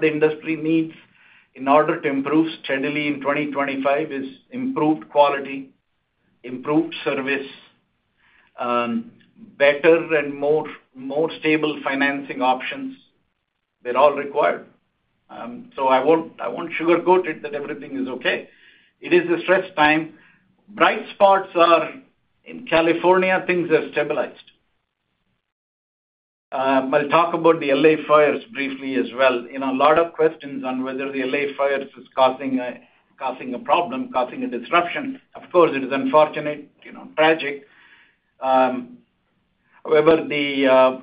[SPEAKER 7] the industry needs in order to improve steadily in 2025 is improved quality, improved service, better and more stable financing options. They're all required. I won't sugarcoat it that everything is okay. It is a stress time. Bright spots are in California. Things have stabilized. I'll talk about the LA fires briefly as well. A lot of questions on whether the LA fires is causing a problem, causing a disruption. Of course, it is unfortunate, tragic. However, the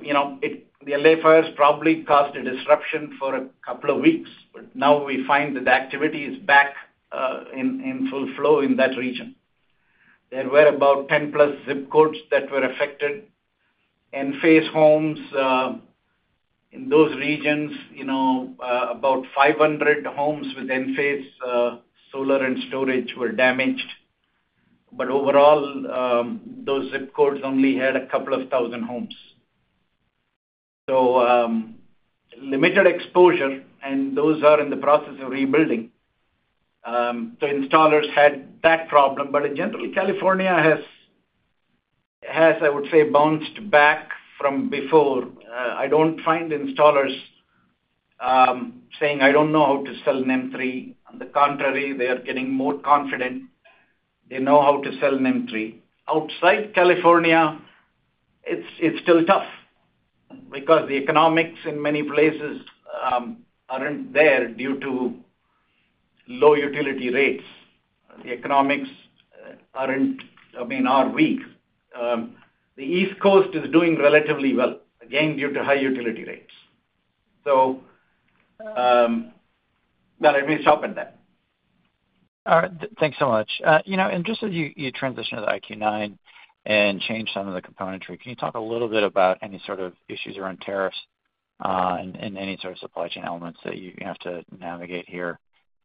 [SPEAKER 7] LA fires probably caused a disruption for a couple of weeks, but now we find that the activity is back in full flow in that region. There were about 10-plus zip codes that were affected. Enphase homes in those regions, about 500 homes with Enphase solar and storage were damaged. But overall, those zip codes only had a couple of thousand homes. So limited exposure, and those are in the process of rebuilding. Installers had that problem. But in general, California has, I would say, bounced back from before. I don't find installers saying, "I don't know how to sell a NEM 3.0." On the contrary, they are getting more confident. They know how to sell a NEM 3.0. Outside California, it's still tough because the economics in many places aren't there due to low utility rates. The economics aren't, I mean, are weak. The East Coast is doing relatively well, again, due to high utility rates. Let me stop at that.
[SPEAKER 9] All right. Thanks so much. And just as you transition to the IQ9 and change some of the componentry, can you talk a little bit about any sort of issues around tariffs and any sort of supply chain elements that you have to navigate here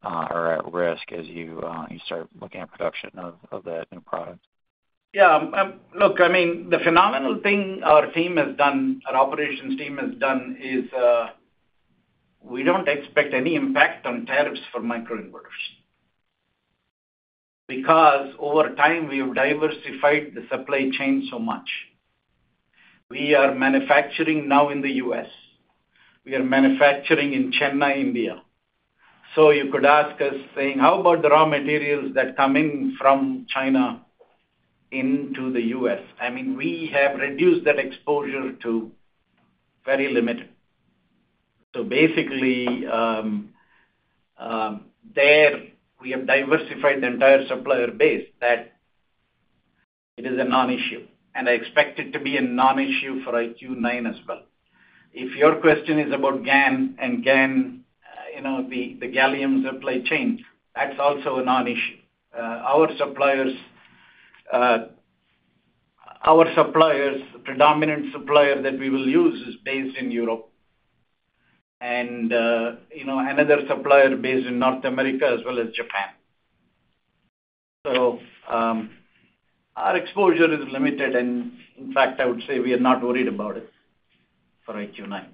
[SPEAKER 9] or at risk as you start looking at production of that new product?
[SPEAKER 7] Yeah. Look, I mean, the phenomenal thing our team has done, our operations team has done, is we don't expect any impact on tariffs for microinverters because over time, we have diversified the supply chain so much. We are manufacturing now in the U.S. We are manufacturing in Chennai, India. So you could ask us saying, "How about the raw materials that come in from China into the U.S.?" I mean, we have reduced that exposure to very limited. So basically, there, we have diversified the entire supplier base that it is a non-issue. I expect it to be a non-issue for IQ9 as well. If your question is about GaN and GaN, the gallium supply chain, that's also a non-issue. Our suppliers, our predominant supplier that we will use is based in Europe. And another supplier based in North America as well as Japan. So our exposure is limited. And in fact, I would say we are not worried about it for IQ9.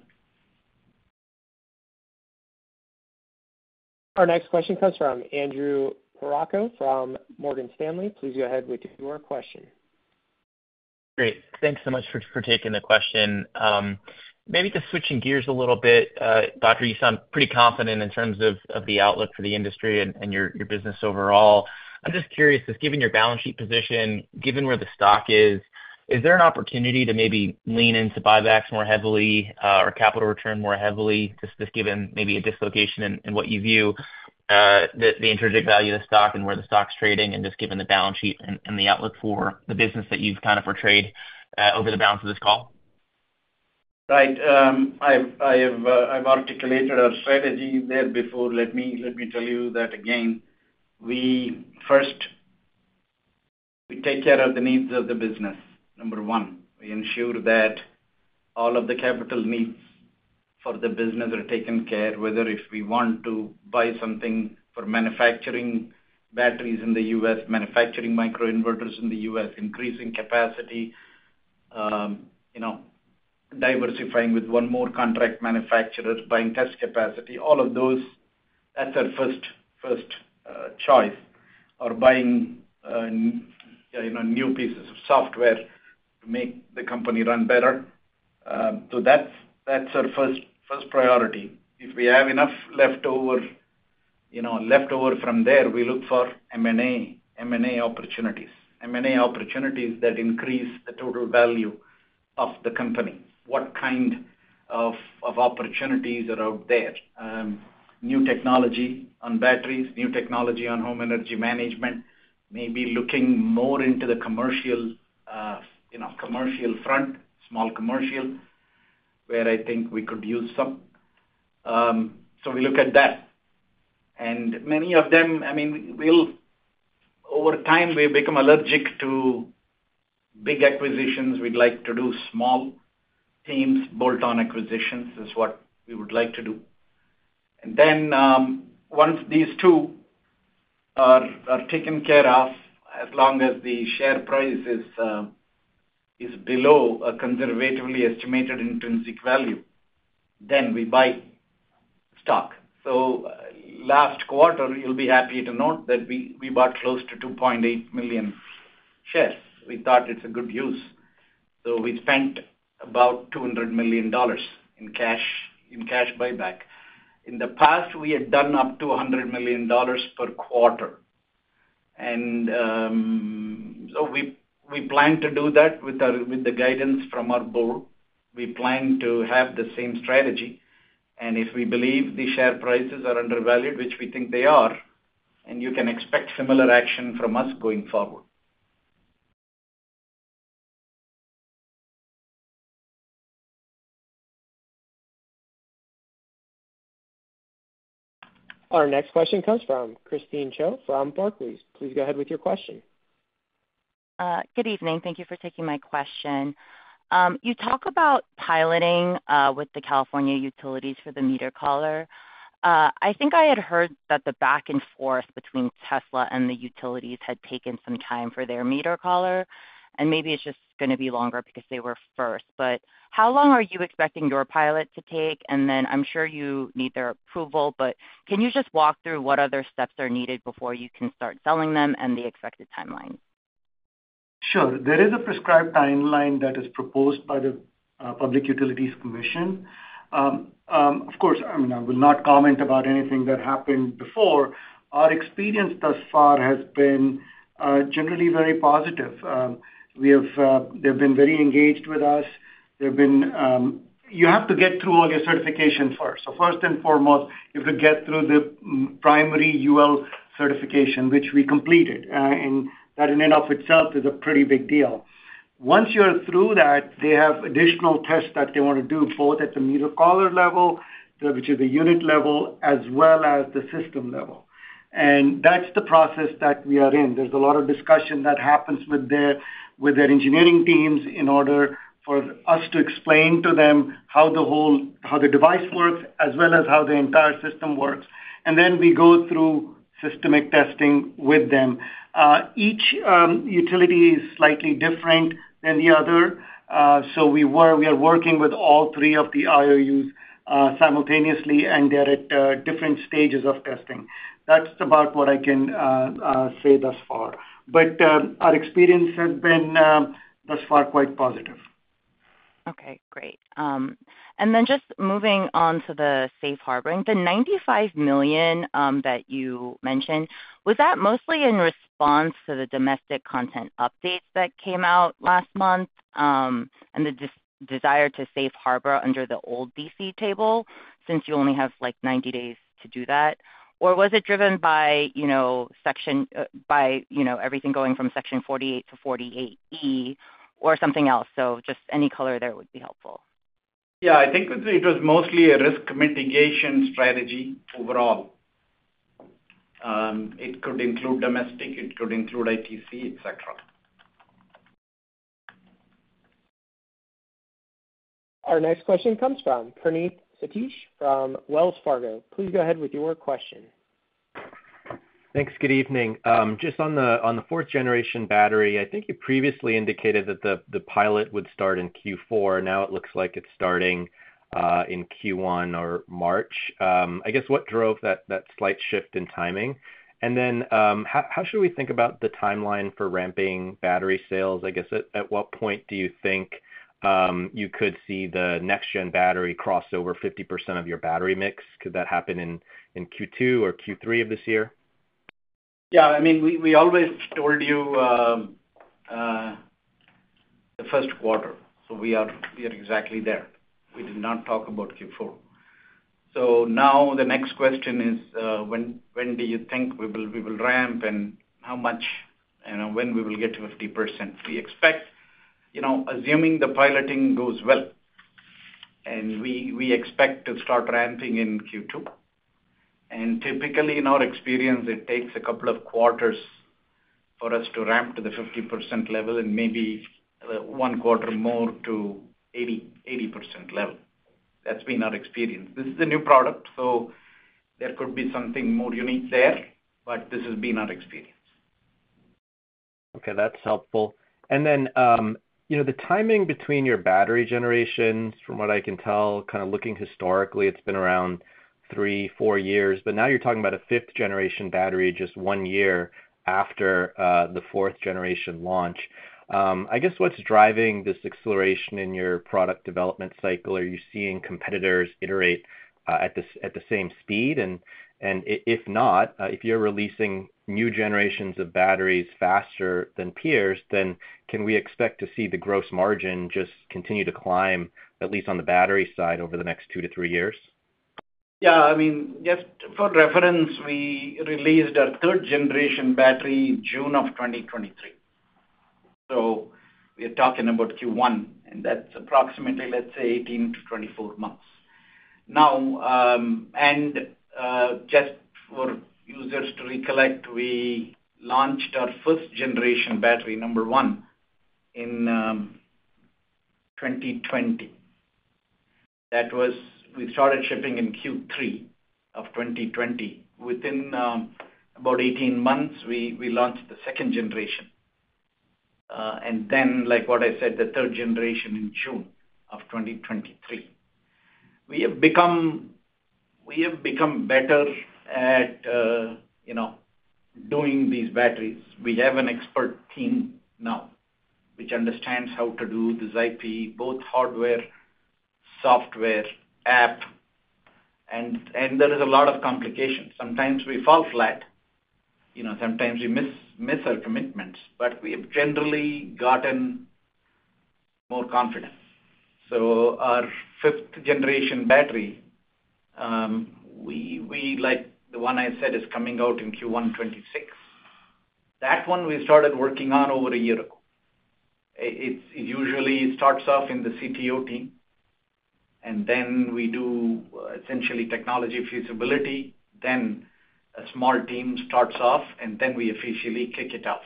[SPEAKER 1] Our next question comes from Andrew Percoco from Morgan Stanley. Please go ahead with your question.
[SPEAKER 10] Great. Thanks so much for taking the question. Maybe just switching gears a little bit, Dr. Badri, you sound pretty confident in terms of the outlook for the industry and your business overall. I'm just curious, just given your balance sheet position, given where the stock is, is there an opportunity to maybe lean into buybacks more heavily or capital return more heavily, just given maybe a dislocation in what you view the intrinsic value of the stock and where the stock's trading and just given the balance sheet and the outlook for the business that you've kind of portrayed over the balance of this call?
[SPEAKER 3] Right. I've articulated our strategy there before. Let me tell you that again. We first, we take care of the needs of the business, number one. We ensure that all of the capital needs for the business are taken care of, whether if we want to buy something for manufacturing batteries in the U.S., manufacturing microinverters in the U.S., increasing capacity, diversifying with one more contract manufacturer, buying test capacity. All of those, that's our first choice, or buying new pieces of software to make the company run better. So that's our first priority. If we have enough leftover from there, we look for M&A opportunities, M&A opportunities that increase the total value of the company. What kind of opportunities are out there? New technology on batteries, new technology on home energy management, maybe looking more into the commercial front, small commercial, where I think we could use some. So we look at that, and many of them, I mean, over time, we become allergic to big acquisitions. We'd like to do small teams, bolt-on acquisitions is what we would like to do, and then once these two are taken care of, as long as the share price is below a conservatively estimated intrinsic value, then we buy stock. Last quarter, you'll be happy to note that we bought close to 2.8 million shares. We thought it's a good use. So we spent about $200 million in cash buyback. In the past, we had done up to $100 million per quarter. And so we plan to do that with the guidance from our board. We plan to have the same strategy. And if we believe the share prices are undervalued, which we think they are, and you can expect similar action from us going forward.
[SPEAKER 1] Our next question comes from Christine Cho from Barclays. Please go ahead with your question.
[SPEAKER 11] Good evening. Thank you for taking my question. You talk about piloting with the California utilities for the meter collar. I think I had heard that the back and forth between Tesla and the utilities had taken some time for their meter collar. Maybe it's just going to be longer because they were first. How long are you expecting your pilot to take? And then I'm sure you need their approval, but can you just walk through what other steps are needed before you can start selling them and the expected timeline?
[SPEAKER 3] Sure. There is a prescribed timeline that is proposed by the Public Utilities Commission. Of course, I mean, I will not comment about anything that happened before. Our experience thus far has been generally very positive. They've been very engaged with us. You have to get through all your certification first. So first and foremost, you have to get through the primary UL certification, which we completed. That in and of itself is a pretty big deal. Once you're through that, they have additional tests that they want to do both at the meter collar level, which is the unit level, as well as the system level. And that's the process that we are in. There's a lot of discussion that happens with their engineering teams in order for us to explain to them how the device works, as well as how the entire system works. And then we go through systemic testing with them. Each utility is slightly different than the other. So we are working with all three of the IOUs simultaneously, and they're at different stages of testing. That's about what I can say thus far. But our experience has been thus far quite positive.
[SPEAKER 11] Okay. Great. And then just moving on to the safe harbor, the $95 million that you mentioned, was that mostly in response to the domestic content updates that came out last month and the desire to safe harbor under the old DC table since you only have like 90 days to do that? Or was it driven by everything going from Section 48 to 48E or something else? So just any color there would be helpful.
[SPEAKER 3] Yeah. I think it was mostly a risk mitigation strategy overall. It could include domestic. It could include ITC, etc.
[SPEAKER 1] Our next question comes from Praneeth Satish from Wells Fargo. Please go ahead with your question.
[SPEAKER 12] Thanks. Good evening. Just on the fourth-generation battery, I think you previously indicated that the pilot would start in Q4. Now it looks like it's starting in Q1 or March. I guess what drove that slight shift in timing? And then, how should we think about the timeline for ramping battery sales? I guess at what point do you think you could see the next-gen battery cross over 50% of your battery mix? Could that happen in Q2 or Q3 of this year?
[SPEAKER 3] Yeah. I mean, we always told you the first quarter, so we are exactly there. We did not talk about Q4, so now the next question is, when do you think we will ramp and how much and when we will get to 50%? We expect, assuming the piloting goes well, and we expect to start ramping in Q2, and typically, in our experience, it takes a couple of quarters for us to ramp to the 50% level and maybe one quarter more to 80% level. That's been our experience. This is a new product, so there could be something more unique there, but this has been our experience.
[SPEAKER 12] Okay. That's helpful. And then the timing between your battery generations, from what I can tell, kind of looking historically, it's been around three, four years. But now you're talking about a fifth-generation battery just one year after the fourth-generation launch. I guess what's driving this acceleration in your product development cycle? Are you seeing competitors iterate at the same speed? And if not, if you're releasing new generations of batteries faster than peers, then can we expect to see the gross margin just continue to climb, at least on the battery side, over the next two to three years?
[SPEAKER 3] Yeah. I mean, just for reference, we released our third-generation battery in June of 2023. So we're talking about Q1, and that's approximately, let's say, 18 to 24 months. Just for users to recollect, we launched our first-generation battery, number one, in 2020. We started shipping in Q3 of 2020. Within about 18 months, we launched the second generation. And then, like what I said, the third generation in June of 2023. We have become better at doing these batteries. We have an expert team now, which understands how to do the ZIPE, both hardware, software, app. And there is a lot of complications. Sometimes we fall flat. Sometimes we miss our commitments, but we have generally gotten more confident. So our fifth-generation battery, the one I said is coming out in Q1 2026. That one we started working on over a year ago. It usually starts off in the CTO team. And then we do essentially technology feasibility. Then a small team starts off, and then we officially kick it off.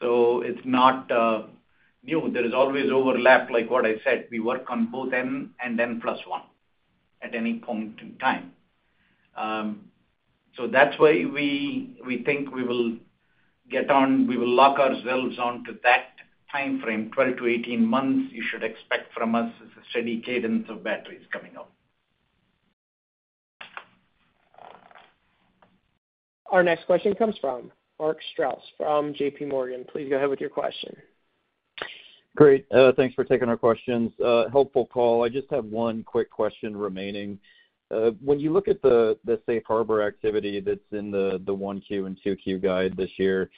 [SPEAKER 3] So it's not new. There is always overlap, like what I said. We work on both N and N plus 1 at any point in time. So that's why we think we will get on. We will lock ourselves onto that timeframe, 12 to 18 months. You should expect from us a steady cadence of batteries coming up.
[SPEAKER 1] Our next question comes from Mark Strouse from JPMorgan. Please go ahead with your question.
[SPEAKER 13] Great. Thanks for taking our questions. Helpful call. I just have one quick question remaining. When you look at the safe harbor activity that's in the 1Q and 2Q guide this year,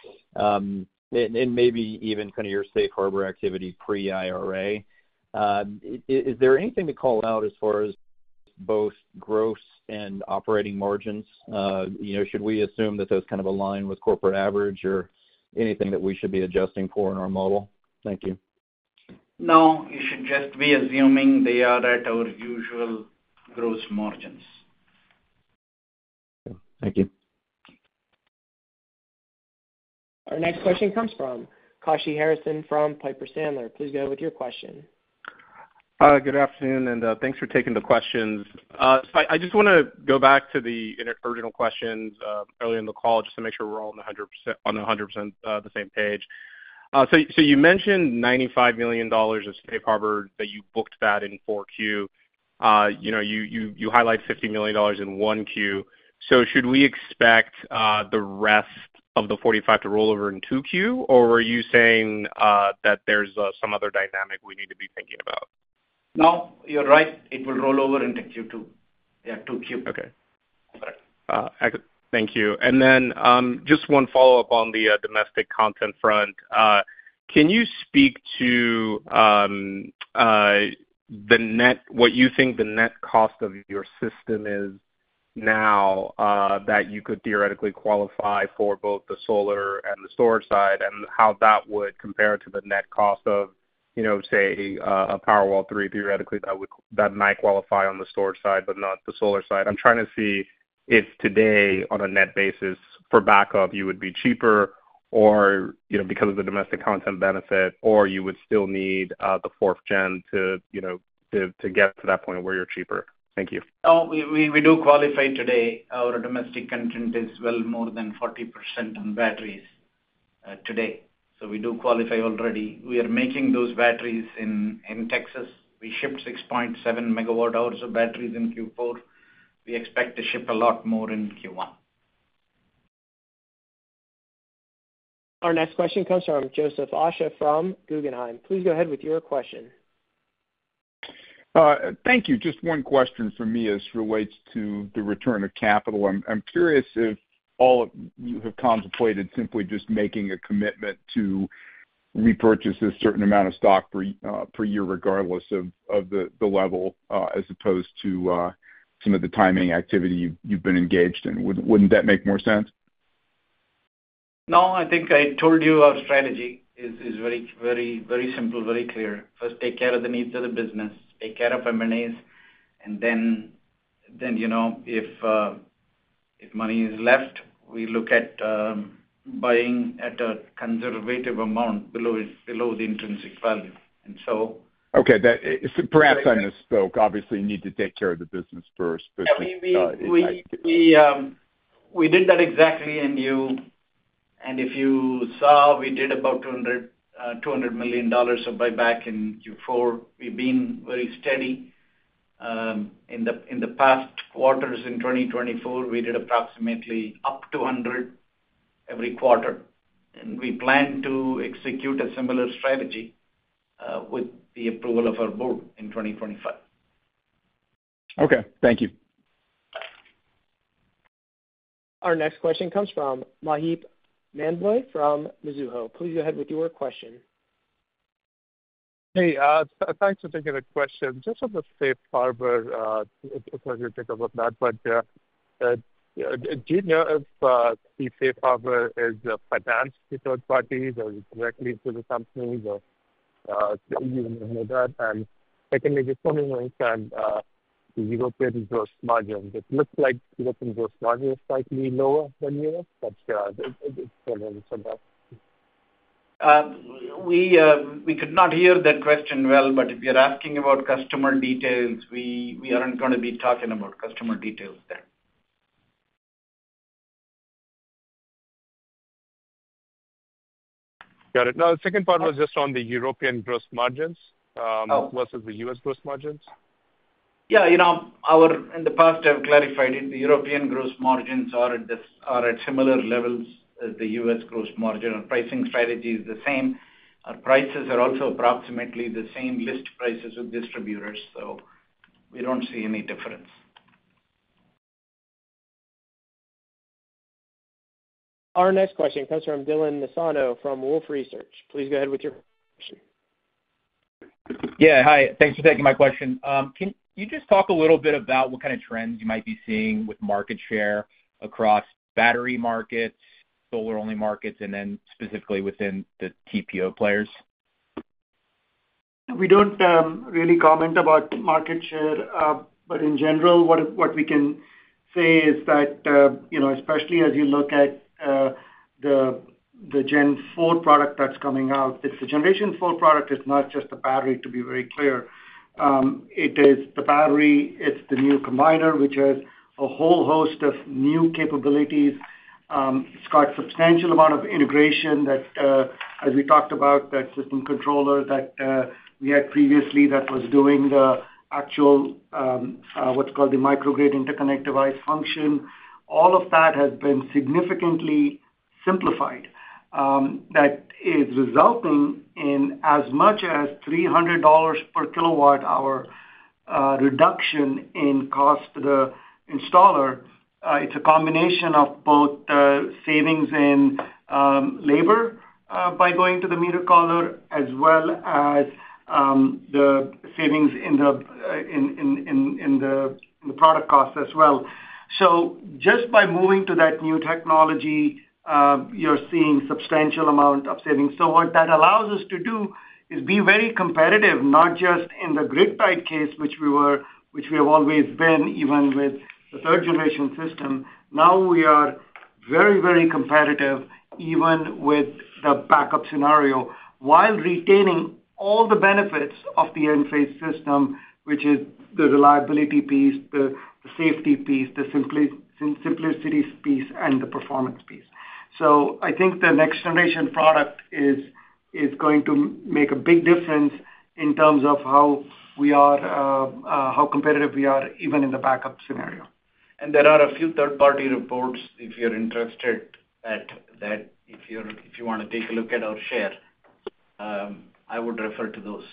[SPEAKER 13] and maybe even kind of your safe harbor activity pre-IRA, is there anything to call out as far as both gross and operating margins? Should we assume that those kind of align with corporate average or anything that we should be adjusting for in our model? Thank you.
[SPEAKER 3] No. You should just be assuming they are at our usual gross margins.
[SPEAKER 13] Okay. Thank you.
[SPEAKER 1] Our next question comes from Kashy Harrison from Piper Sandler. Please go ahead with your question.
[SPEAKER 14] Good afternoon, and thanks for taking the questions. I just want to go back to the original questions earlier in the call just to make sure we're all on the 100% the same page. So you mentioned $95 million of safe harbor that you booked that in 4Q. You highlight $50 million in 1Q. So should we expect the rest of the 45 to roll over in 2Q, or are you saying that there's some other dynamic we need to be thinking about?
[SPEAKER 3] No, you're right. It will roll over into Q2. Yeah, 2Q.
[SPEAKER 14] Okay. Thank you. And then just one follow-up on the domestic content front. Can you speak to what you think the net cost of your system is now that you could theoretically qualify for both the solar and the storage side, and how that would compare to the net cost of, say, a Powerwall 3 theoretically that might qualify on the storage side but not the solar side? I'm trying to see if today, on a net basis, for backup, you would be cheaper because of the domestic content benefit, or you would still need the fourth gen to get to that point where you're cheaper. Thank you.
[SPEAKER 3] No, we do qualify today. Our domestic content is well more than 40% on batteries today. So we do qualify already. We are making those batteries in Texas. We shipped 6.7 megawatt hours of batteries in Q4. We expect to ship a lot more in Q1.
[SPEAKER 1] Our next question comes from Joseph Osha from Guggenheim. Please go ahead with your question.
[SPEAKER 15] Thank you. Just one question from me as it relates to the return of capital. I'm curious if all of you have contemplated simply just making a commitment to repurchase a certain amount of stock per year, regardless of the level, as opposed to some of the timing activity you've been engaged in. Wouldn't that make more sense?
[SPEAKER 3] No, I think I told you our strategy is very simple, very clear. First, take care of the needs of the business. Take care of M&As. And then if money is left, we look at buying at a conservative amount below the intrinsic value. And so.
[SPEAKER 15] Okay. Perhaps I misspoke. Obviously, you need to take care of the business first.
[SPEAKER 3] Yeah. I mean, we did that exactly. And if you saw, we did about $200 million of buyback in Q4. We've been very steady. In the past quarters in 2024, we did approximately up to 100 every quarter. And we plan to execute a similar strategy with the approval of our board in 2025.
[SPEAKER 15] Okay. Thank you.
[SPEAKER 1] Our next question comes from Maheep Mandloi from Mizuho. Please go ahead with your question.
[SPEAKER 16] Hey, thanks for taking the question. Just on the safe harbor, it's hard to think about that. But do you know if the safe harbor is financed through third parties or directly through the companies? You know that. And secondly, just tell me when you can see European gross margins. It looks like European gross margins are slightly lower than Europe, but it's generally somewhat.
[SPEAKER 3] We could not hear that question well, but if you're asking about customer details, we aren't going to be talking about customer details there.
[SPEAKER 16] Got it. Now, the second part was just on the European gross margins versus the U.S. gross margins.
[SPEAKER 3] Yeah. In the past, I've clarified it. The European gross margins are at similar levels as the U.S. gross margin. Our pricing strategy is the same. Our prices are also approximately the same list prices with distributors. So we don't see any difference.
[SPEAKER 1] Our next question comes from Dylan Nassano from Wolfe Research. Please go ahead with your question.
[SPEAKER 17] Yeah. Hi. Thanks for taking my question. Can you just talk a little bit about what kind of trends you might be seeing with market share across battery markets, solar-only markets, and then specifically within the TPO players?
[SPEAKER 3] We don't really comment about market share. But in general, what we can say is that especially as you look at the Gen 4 product that's coming out, it's the Generation 4 product. It's not just the battery, to be very clear. It is the battery. It's the new combiner which has a whole host of new capabilities. It's got a substantial amount of integration that, as we talked about, that system controller that we had previously that was doing the actual what's called the microgrid interconnect device function. All of that has been significantly simplified. That is resulting in as much as $300 per kilowatt-hour reduction in cost for the installer. It's a combination of both savings in labor by going to the meter collar as well as the savings in the product cost as well. So just by moving to that new technology, you're seeing a substantial amount of savings. So what that allows us to do is be very competitive, not just in the grid-tied case, which we have always been, even with the third-generation system. Now we are very, very competitive even with the backup scenario while retaining all the benefits of the Enphase system, which is the reliability piece, the safety piece, the simplicity piece, and the performance piece. So I think the next-generation product is going to make a big difference in terms of how competitive we are even in the backup scenario.
[SPEAKER 7] And there are a few third-party reports, if you're interested, that if you want to take a look at our share, I would refer to those.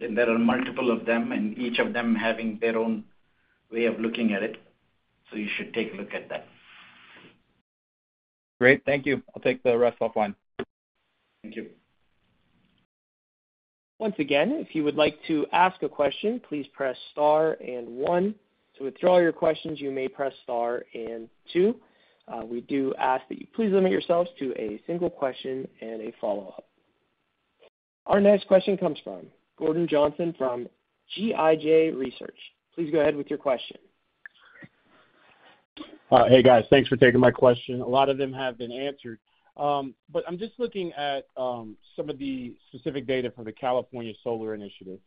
[SPEAKER 7] And there are multiple of them, and each of them having their own way of looking at it. So you should take a look at that.
[SPEAKER 17] Great. Thank you. I'll take the rest offline.
[SPEAKER 7] Thank you.
[SPEAKER 1] Once again, if you would like to ask a question, please press Star and 1. To withdraw your questions, you may press Star and 2. We do ask that you please limit yourselves to a single question and a follow-up. Our next question comes from Gordon Johnson from GLJ Research. Please go ahead with your question.
[SPEAKER 18] Hey, guys. Thanks for taking my question. A lot of them have been answered. But I'm just looking at some of the specific data for the California Solar Initiative.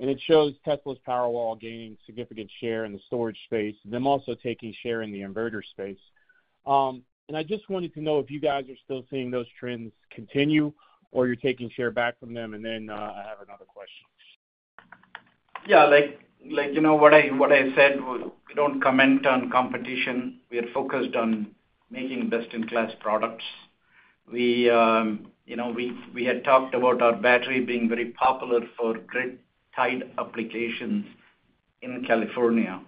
[SPEAKER 18] And it shows Tesla's Powerwall gaining significant share in the storage space, them also taking share in the inverter space. And I just wanted to know if you guys are still seeing those trends continue or you're taking share back from them. And then I have another question.
[SPEAKER 3] Yeah. Like what I said, we don't comment on competition. We are focused on making best-in-class products. We had talked about our battery being very popular for grid-tied applications in California.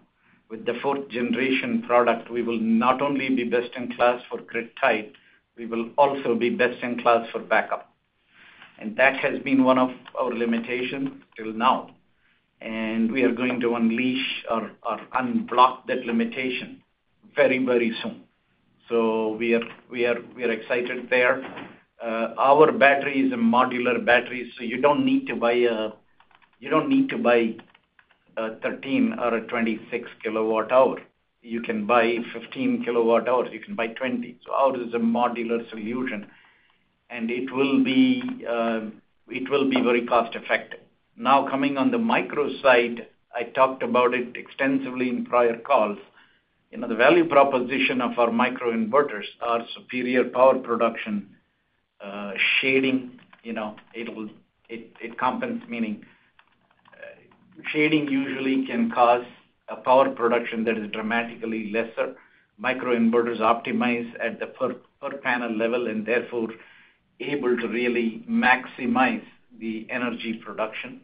[SPEAKER 3] With the fourth-generation product, we will not only be best-in-class for grid-tied, we will also be best-in-class for backup, and that has been one of our limitations till now, and we are going to unleash or unblock that limitation very, very soon, so we are excited there. Our battery is a modular battery. So you don't need to buy a 13 or a 26 kilowatt-hour. You can buy 15 kilowatt-hours. You can buy 20. So ours is a modular solution, and it will be very cost-effective. Now, coming on the micro side, I talked about it extensively in prior calls. The value proposition of our microinverters are superior power production shading. It compensates, meaning shading usually can cause a power production that is dramatically lesser. Microinverters optimize at the per-panel level and therefore able to really maximize the energy production.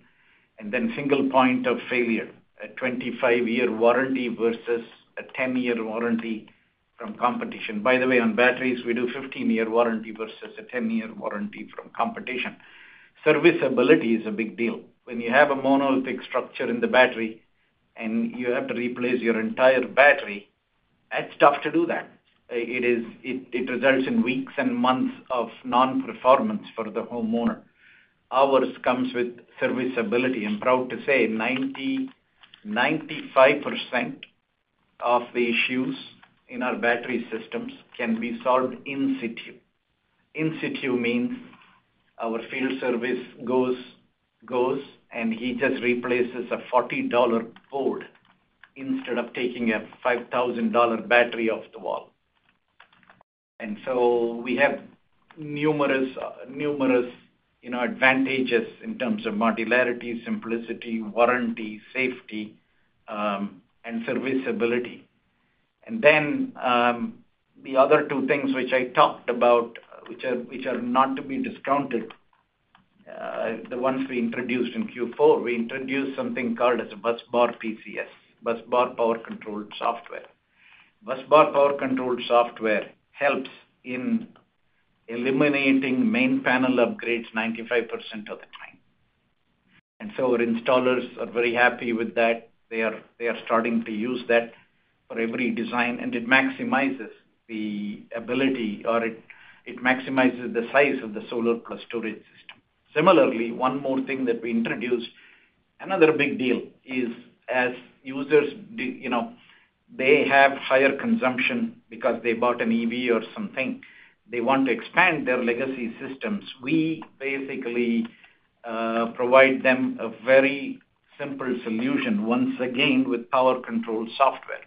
[SPEAKER 3] And then single point of failure, a 25-year warranty versus a 10-year warranty from competition. By the way, on batteries, we do 15-year warranty versus a 10-year warranty from competition. Serviceability is a big deal. When you have a monolithic structure in the battery and you have to replace your entire battery, that's tough to do that. It results in weeks and months of non-performance for the homeowner. Ours comes with serviceability. I'm proud to say 95% of the issues in our battery systems can be solved in situ. In situ means our field service goes, and he just replaces a $40 board instead of taking a $5,000 battery off the wall. And so we have numerous advantages in terms of modularity, simplicity, warranty, safety, and serviceability. And then the other two things which I talked about, which are not to be discounted, the ones we introduced in Q4, we introduced something called a Busbar PCS, Busbar Power Control Software. Busbar Power Control Software helps in eliminating main panel upgrades 95% of the time. And so our installers are very happy with that. They are starting to use that for every design. And it maximizes the ability, or it maximizes the size of the solar plus storage system. Similarly, one more thing that we introduced, another big deal, is, as users, they have higher consumption because they bought an EV or something. They want to expand their legacy systems. We basically provide them a very simple solution, once again, with Power Control Software.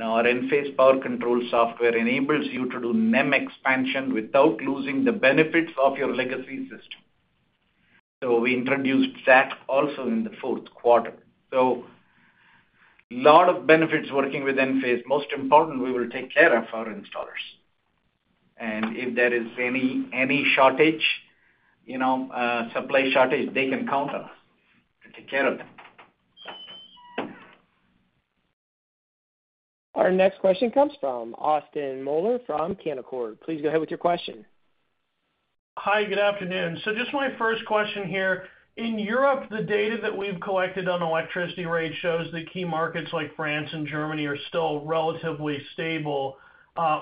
[SPEAKER 3] Our Enphase Power Control Software enables you to do NEM expansion without losing the benefits of your legacy system. So we introduced that also in the fourth quarter. So a lot of benefits working with Enphase. Most important, we will take care of our installers. And if there is any shortage, supply shortage, they can count on us to take care of them.
[SPEAKER 1] Our next question comes from Austin Moeller from Canaccord. Please go ahead with your question.
[SPEAKER 19] Hi. Good afternoon. So just my first question here. In Europe, the data that we've collected on electricity rate shows that key markets like France and Germany are still relatively stable.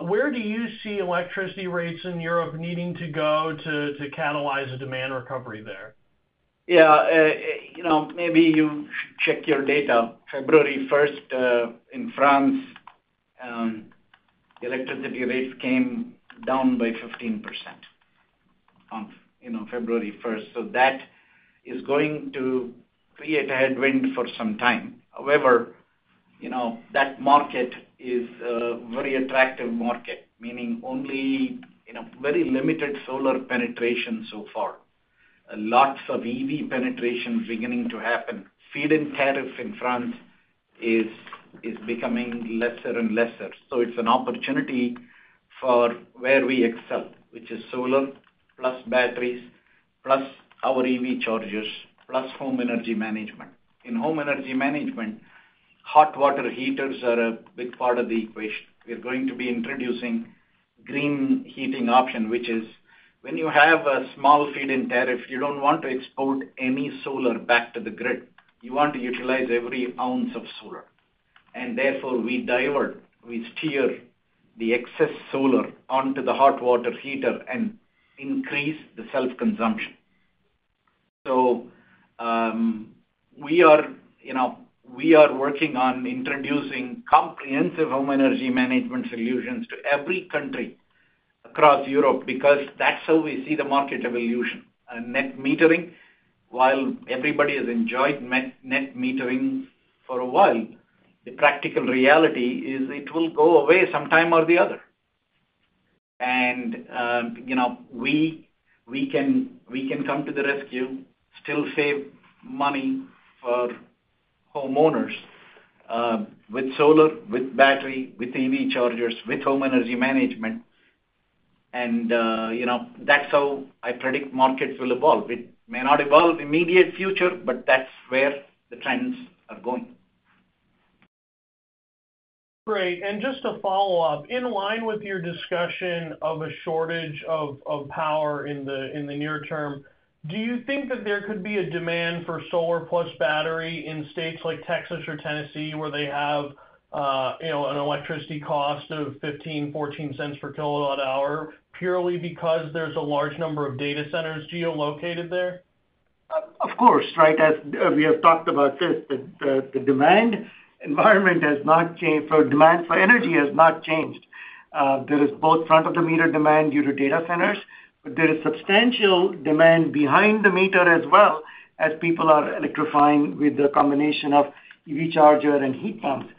[SPEAKER 19] Where do you see electricity rates in Europe needing to go to catalyze a demand recovery there?
[SPEAKER 3] Yeah. Maybe you should check your data. February 1st in France, electricity rates came down by 15% on February 1st. So that is going to create a headwind for some time. However, that market is a very attractive market, meaning only very limited solar penetration so far. Lots of EV penetration beginning to happen. Feed-in tariff in France is becoming lesser and lesser. So it's an opportunity for where we excel, which is solar plus batteries plus our EV chargers plus home energy management. In home energy management, hot water heaters are a big part of the equation. We are going to be introducing green heating option, which is when you have a small feed-in tariff, you don't want to export any solar back to the grid. You want to utilize every ounce of solar. And therefore, we divert, we steer the excess solar onto the hot water heater and increase the self-consumption. So we are working on introducing comprehensive home energy management solutions to every country across Europe because that's how we see the market evolution. Net metering, while everybody has enjoyed net metering for a while, the practical reality is it will go away sometime or the other. And we can come to the rescue, still save money for homeowners with solar, with battery, with EV chargers, with home energy management. And that's how I predict markets will evolve. It may not evolve in the immediate future, but that's where the trends are going.
[SPEAKER 19] Great. And just to follow up, in line with your discussion of a shortage of power in the near term, do you think that there could be a demand for solar plus battery in states like Texas or Tennessee where they have an electricity cost of $0.15-$0.14 per kilowatt-hour purely because there's a large number of data centers geolocated there?
[SPEAKER 3] Of course. Right. As we have talked about this, the demand environment has not changed. Demand for energy has not changed. There is both front-of-the-meter demand due to data centers, but there is substantial demand behind the meter as well as people are electrifying with the combination of EV charger and heat pumps.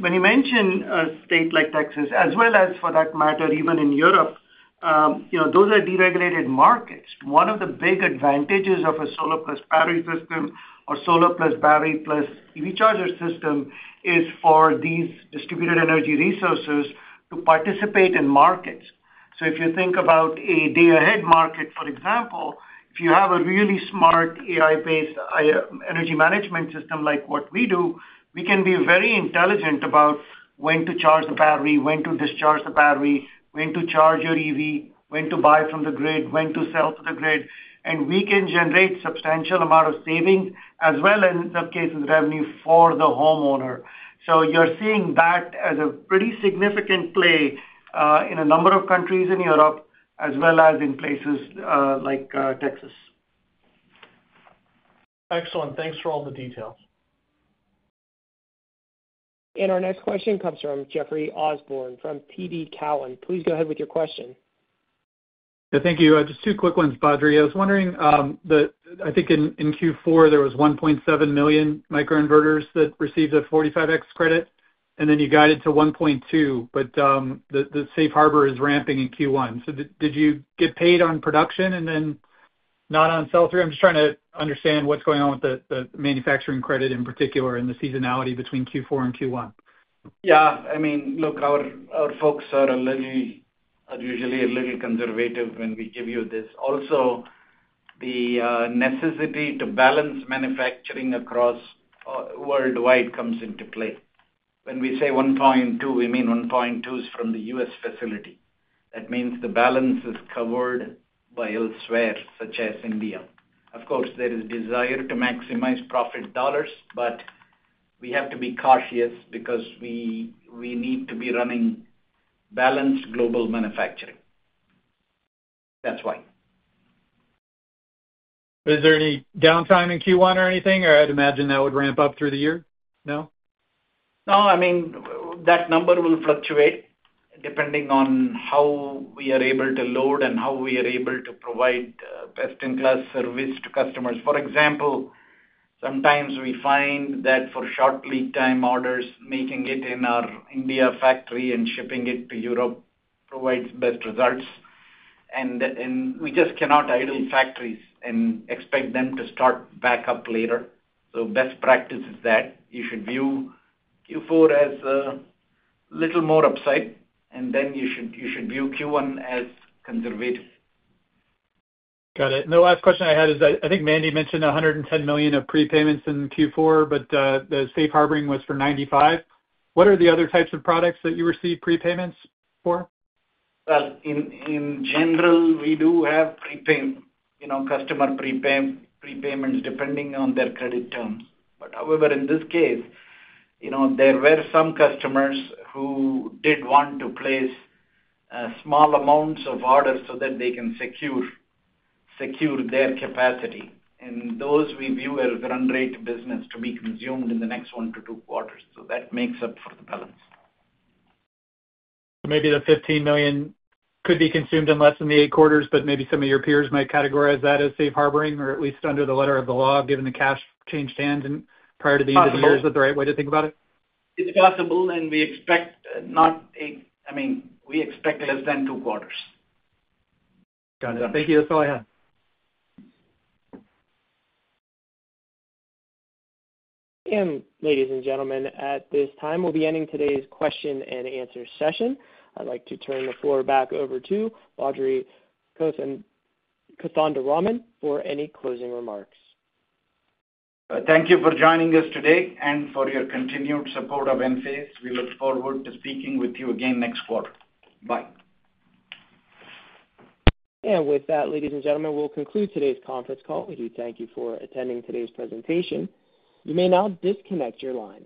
[SPEAKER 3] When you mention a state like Texas, as well as for that matter, even in Europe, those are deregulated markets. One of the big advantages of a solar plus battery system or solar plus battery plus EV charger system is for these distributed energy resources to participate in markets. If you think about a day-ahead market, for example, if you have a really smart AI-based energy management system like what we do, we can be very intelligent about when to charge the battery, when to discharge the battery, when to charge your EV, when to buy from the grid, when to sell to the grid. We can generate a substantial amount of savings as well as in some cases revenue for the homeowner. So you're seeing that as a pretty significant play in a number of countries in Europe as well as in places like Texas.
[SPEAKER 19] Excellent. Thanks for all the details.
[SPEAKER 1] And our next question comes from Jeff Osborne from TD Cowen. Please go ahead with your question.
[SPEAKER 20] Yeah. Thank you. Just two quick ones, Badri. I was wondering. I think in Q4, there was 1.7 million microinverters that received a 45X credit. And then you guided to 1.2, but the safe harbor is ramping in Q1. So did you get paid on production and then not on sell-through? I'm just trying to understand what's going on with the manufacturing credit in particular and the seasonality between Q4 and Q1.
[SPEAKER 3] Yeah. I mean, look, our folks are usually a little conservative when we give you this. Also, the necessity to balance manufacturing across worldwide comes into play. When we say 1.2, we mean 1.2 is from the U.S. facility. That means the balance is covered by elsewhere, such as India. Of course, there is a desire to maximize profit dollars, but we have to be cautious because we need to be running balanced global manufacturing. That's why.
[SPEAKER 20] Is there any downtime in Q1 or anything? Or I'd imagine that would ramp up through the year. No?
[SPEAKER 3] No. I mean, that number will fluctuate depending on how we are able to load and how we are able to provide best-in-class service to customers. For example, sometimes we find that for short lead time orders, making it in our India factory and shipping it to Europe provides best results. And we just cannot idle factories and expect them to start back up later. So best practice is that. You should view Q4 as a little more upside, and then you should view Q1 as conservative.
[SPEAKER 20] Got it. And the last question I had is I think Mandy mentioned $110 million of prepayments in Q4, but the safe harbor was for $95 million. What are the other types of products that you receive prepayments for?
[SPEAKER 3] Well, in general, we do have customer prepayments depending on their credit terms. But however, in this case, there were some customers who did want to place small amounts of orders so that they can secure their capacity. And those we view as run rate business to be consumed in the next one to two quarters. So that makes up for the balance.
[SPEAKER 20] So maybe the 15 million could be consumed in less than the eight quarters, but maybe some of your peers might categorize that as safe harbor or at least under the letter of the law given the cash changed hands prior to the end of the year is the right way to think about it?
[SPEAKER 3] It's possible, and we expect not. I mean, we expect less than two quarters.
[SPEAKER 20] Got it. Thank you. That's all I had.
[SPEAKER 1] And ladies and gentlemen, at this time, we'll be ending today's question and answer session. I'd like to turn the floor back over to Badri Kothandaraman for any closing remarks.
[SPEAKER 3] Thank you for joining us today and for your continued support of Enphase. We look forward to speaking with you again next quarter. Bye.
[SPEAKER 1] And with that, ladies and gentlemen, we'll conclude today's conference call. We do thank you for attending today's presentation. You may now disconnect your line.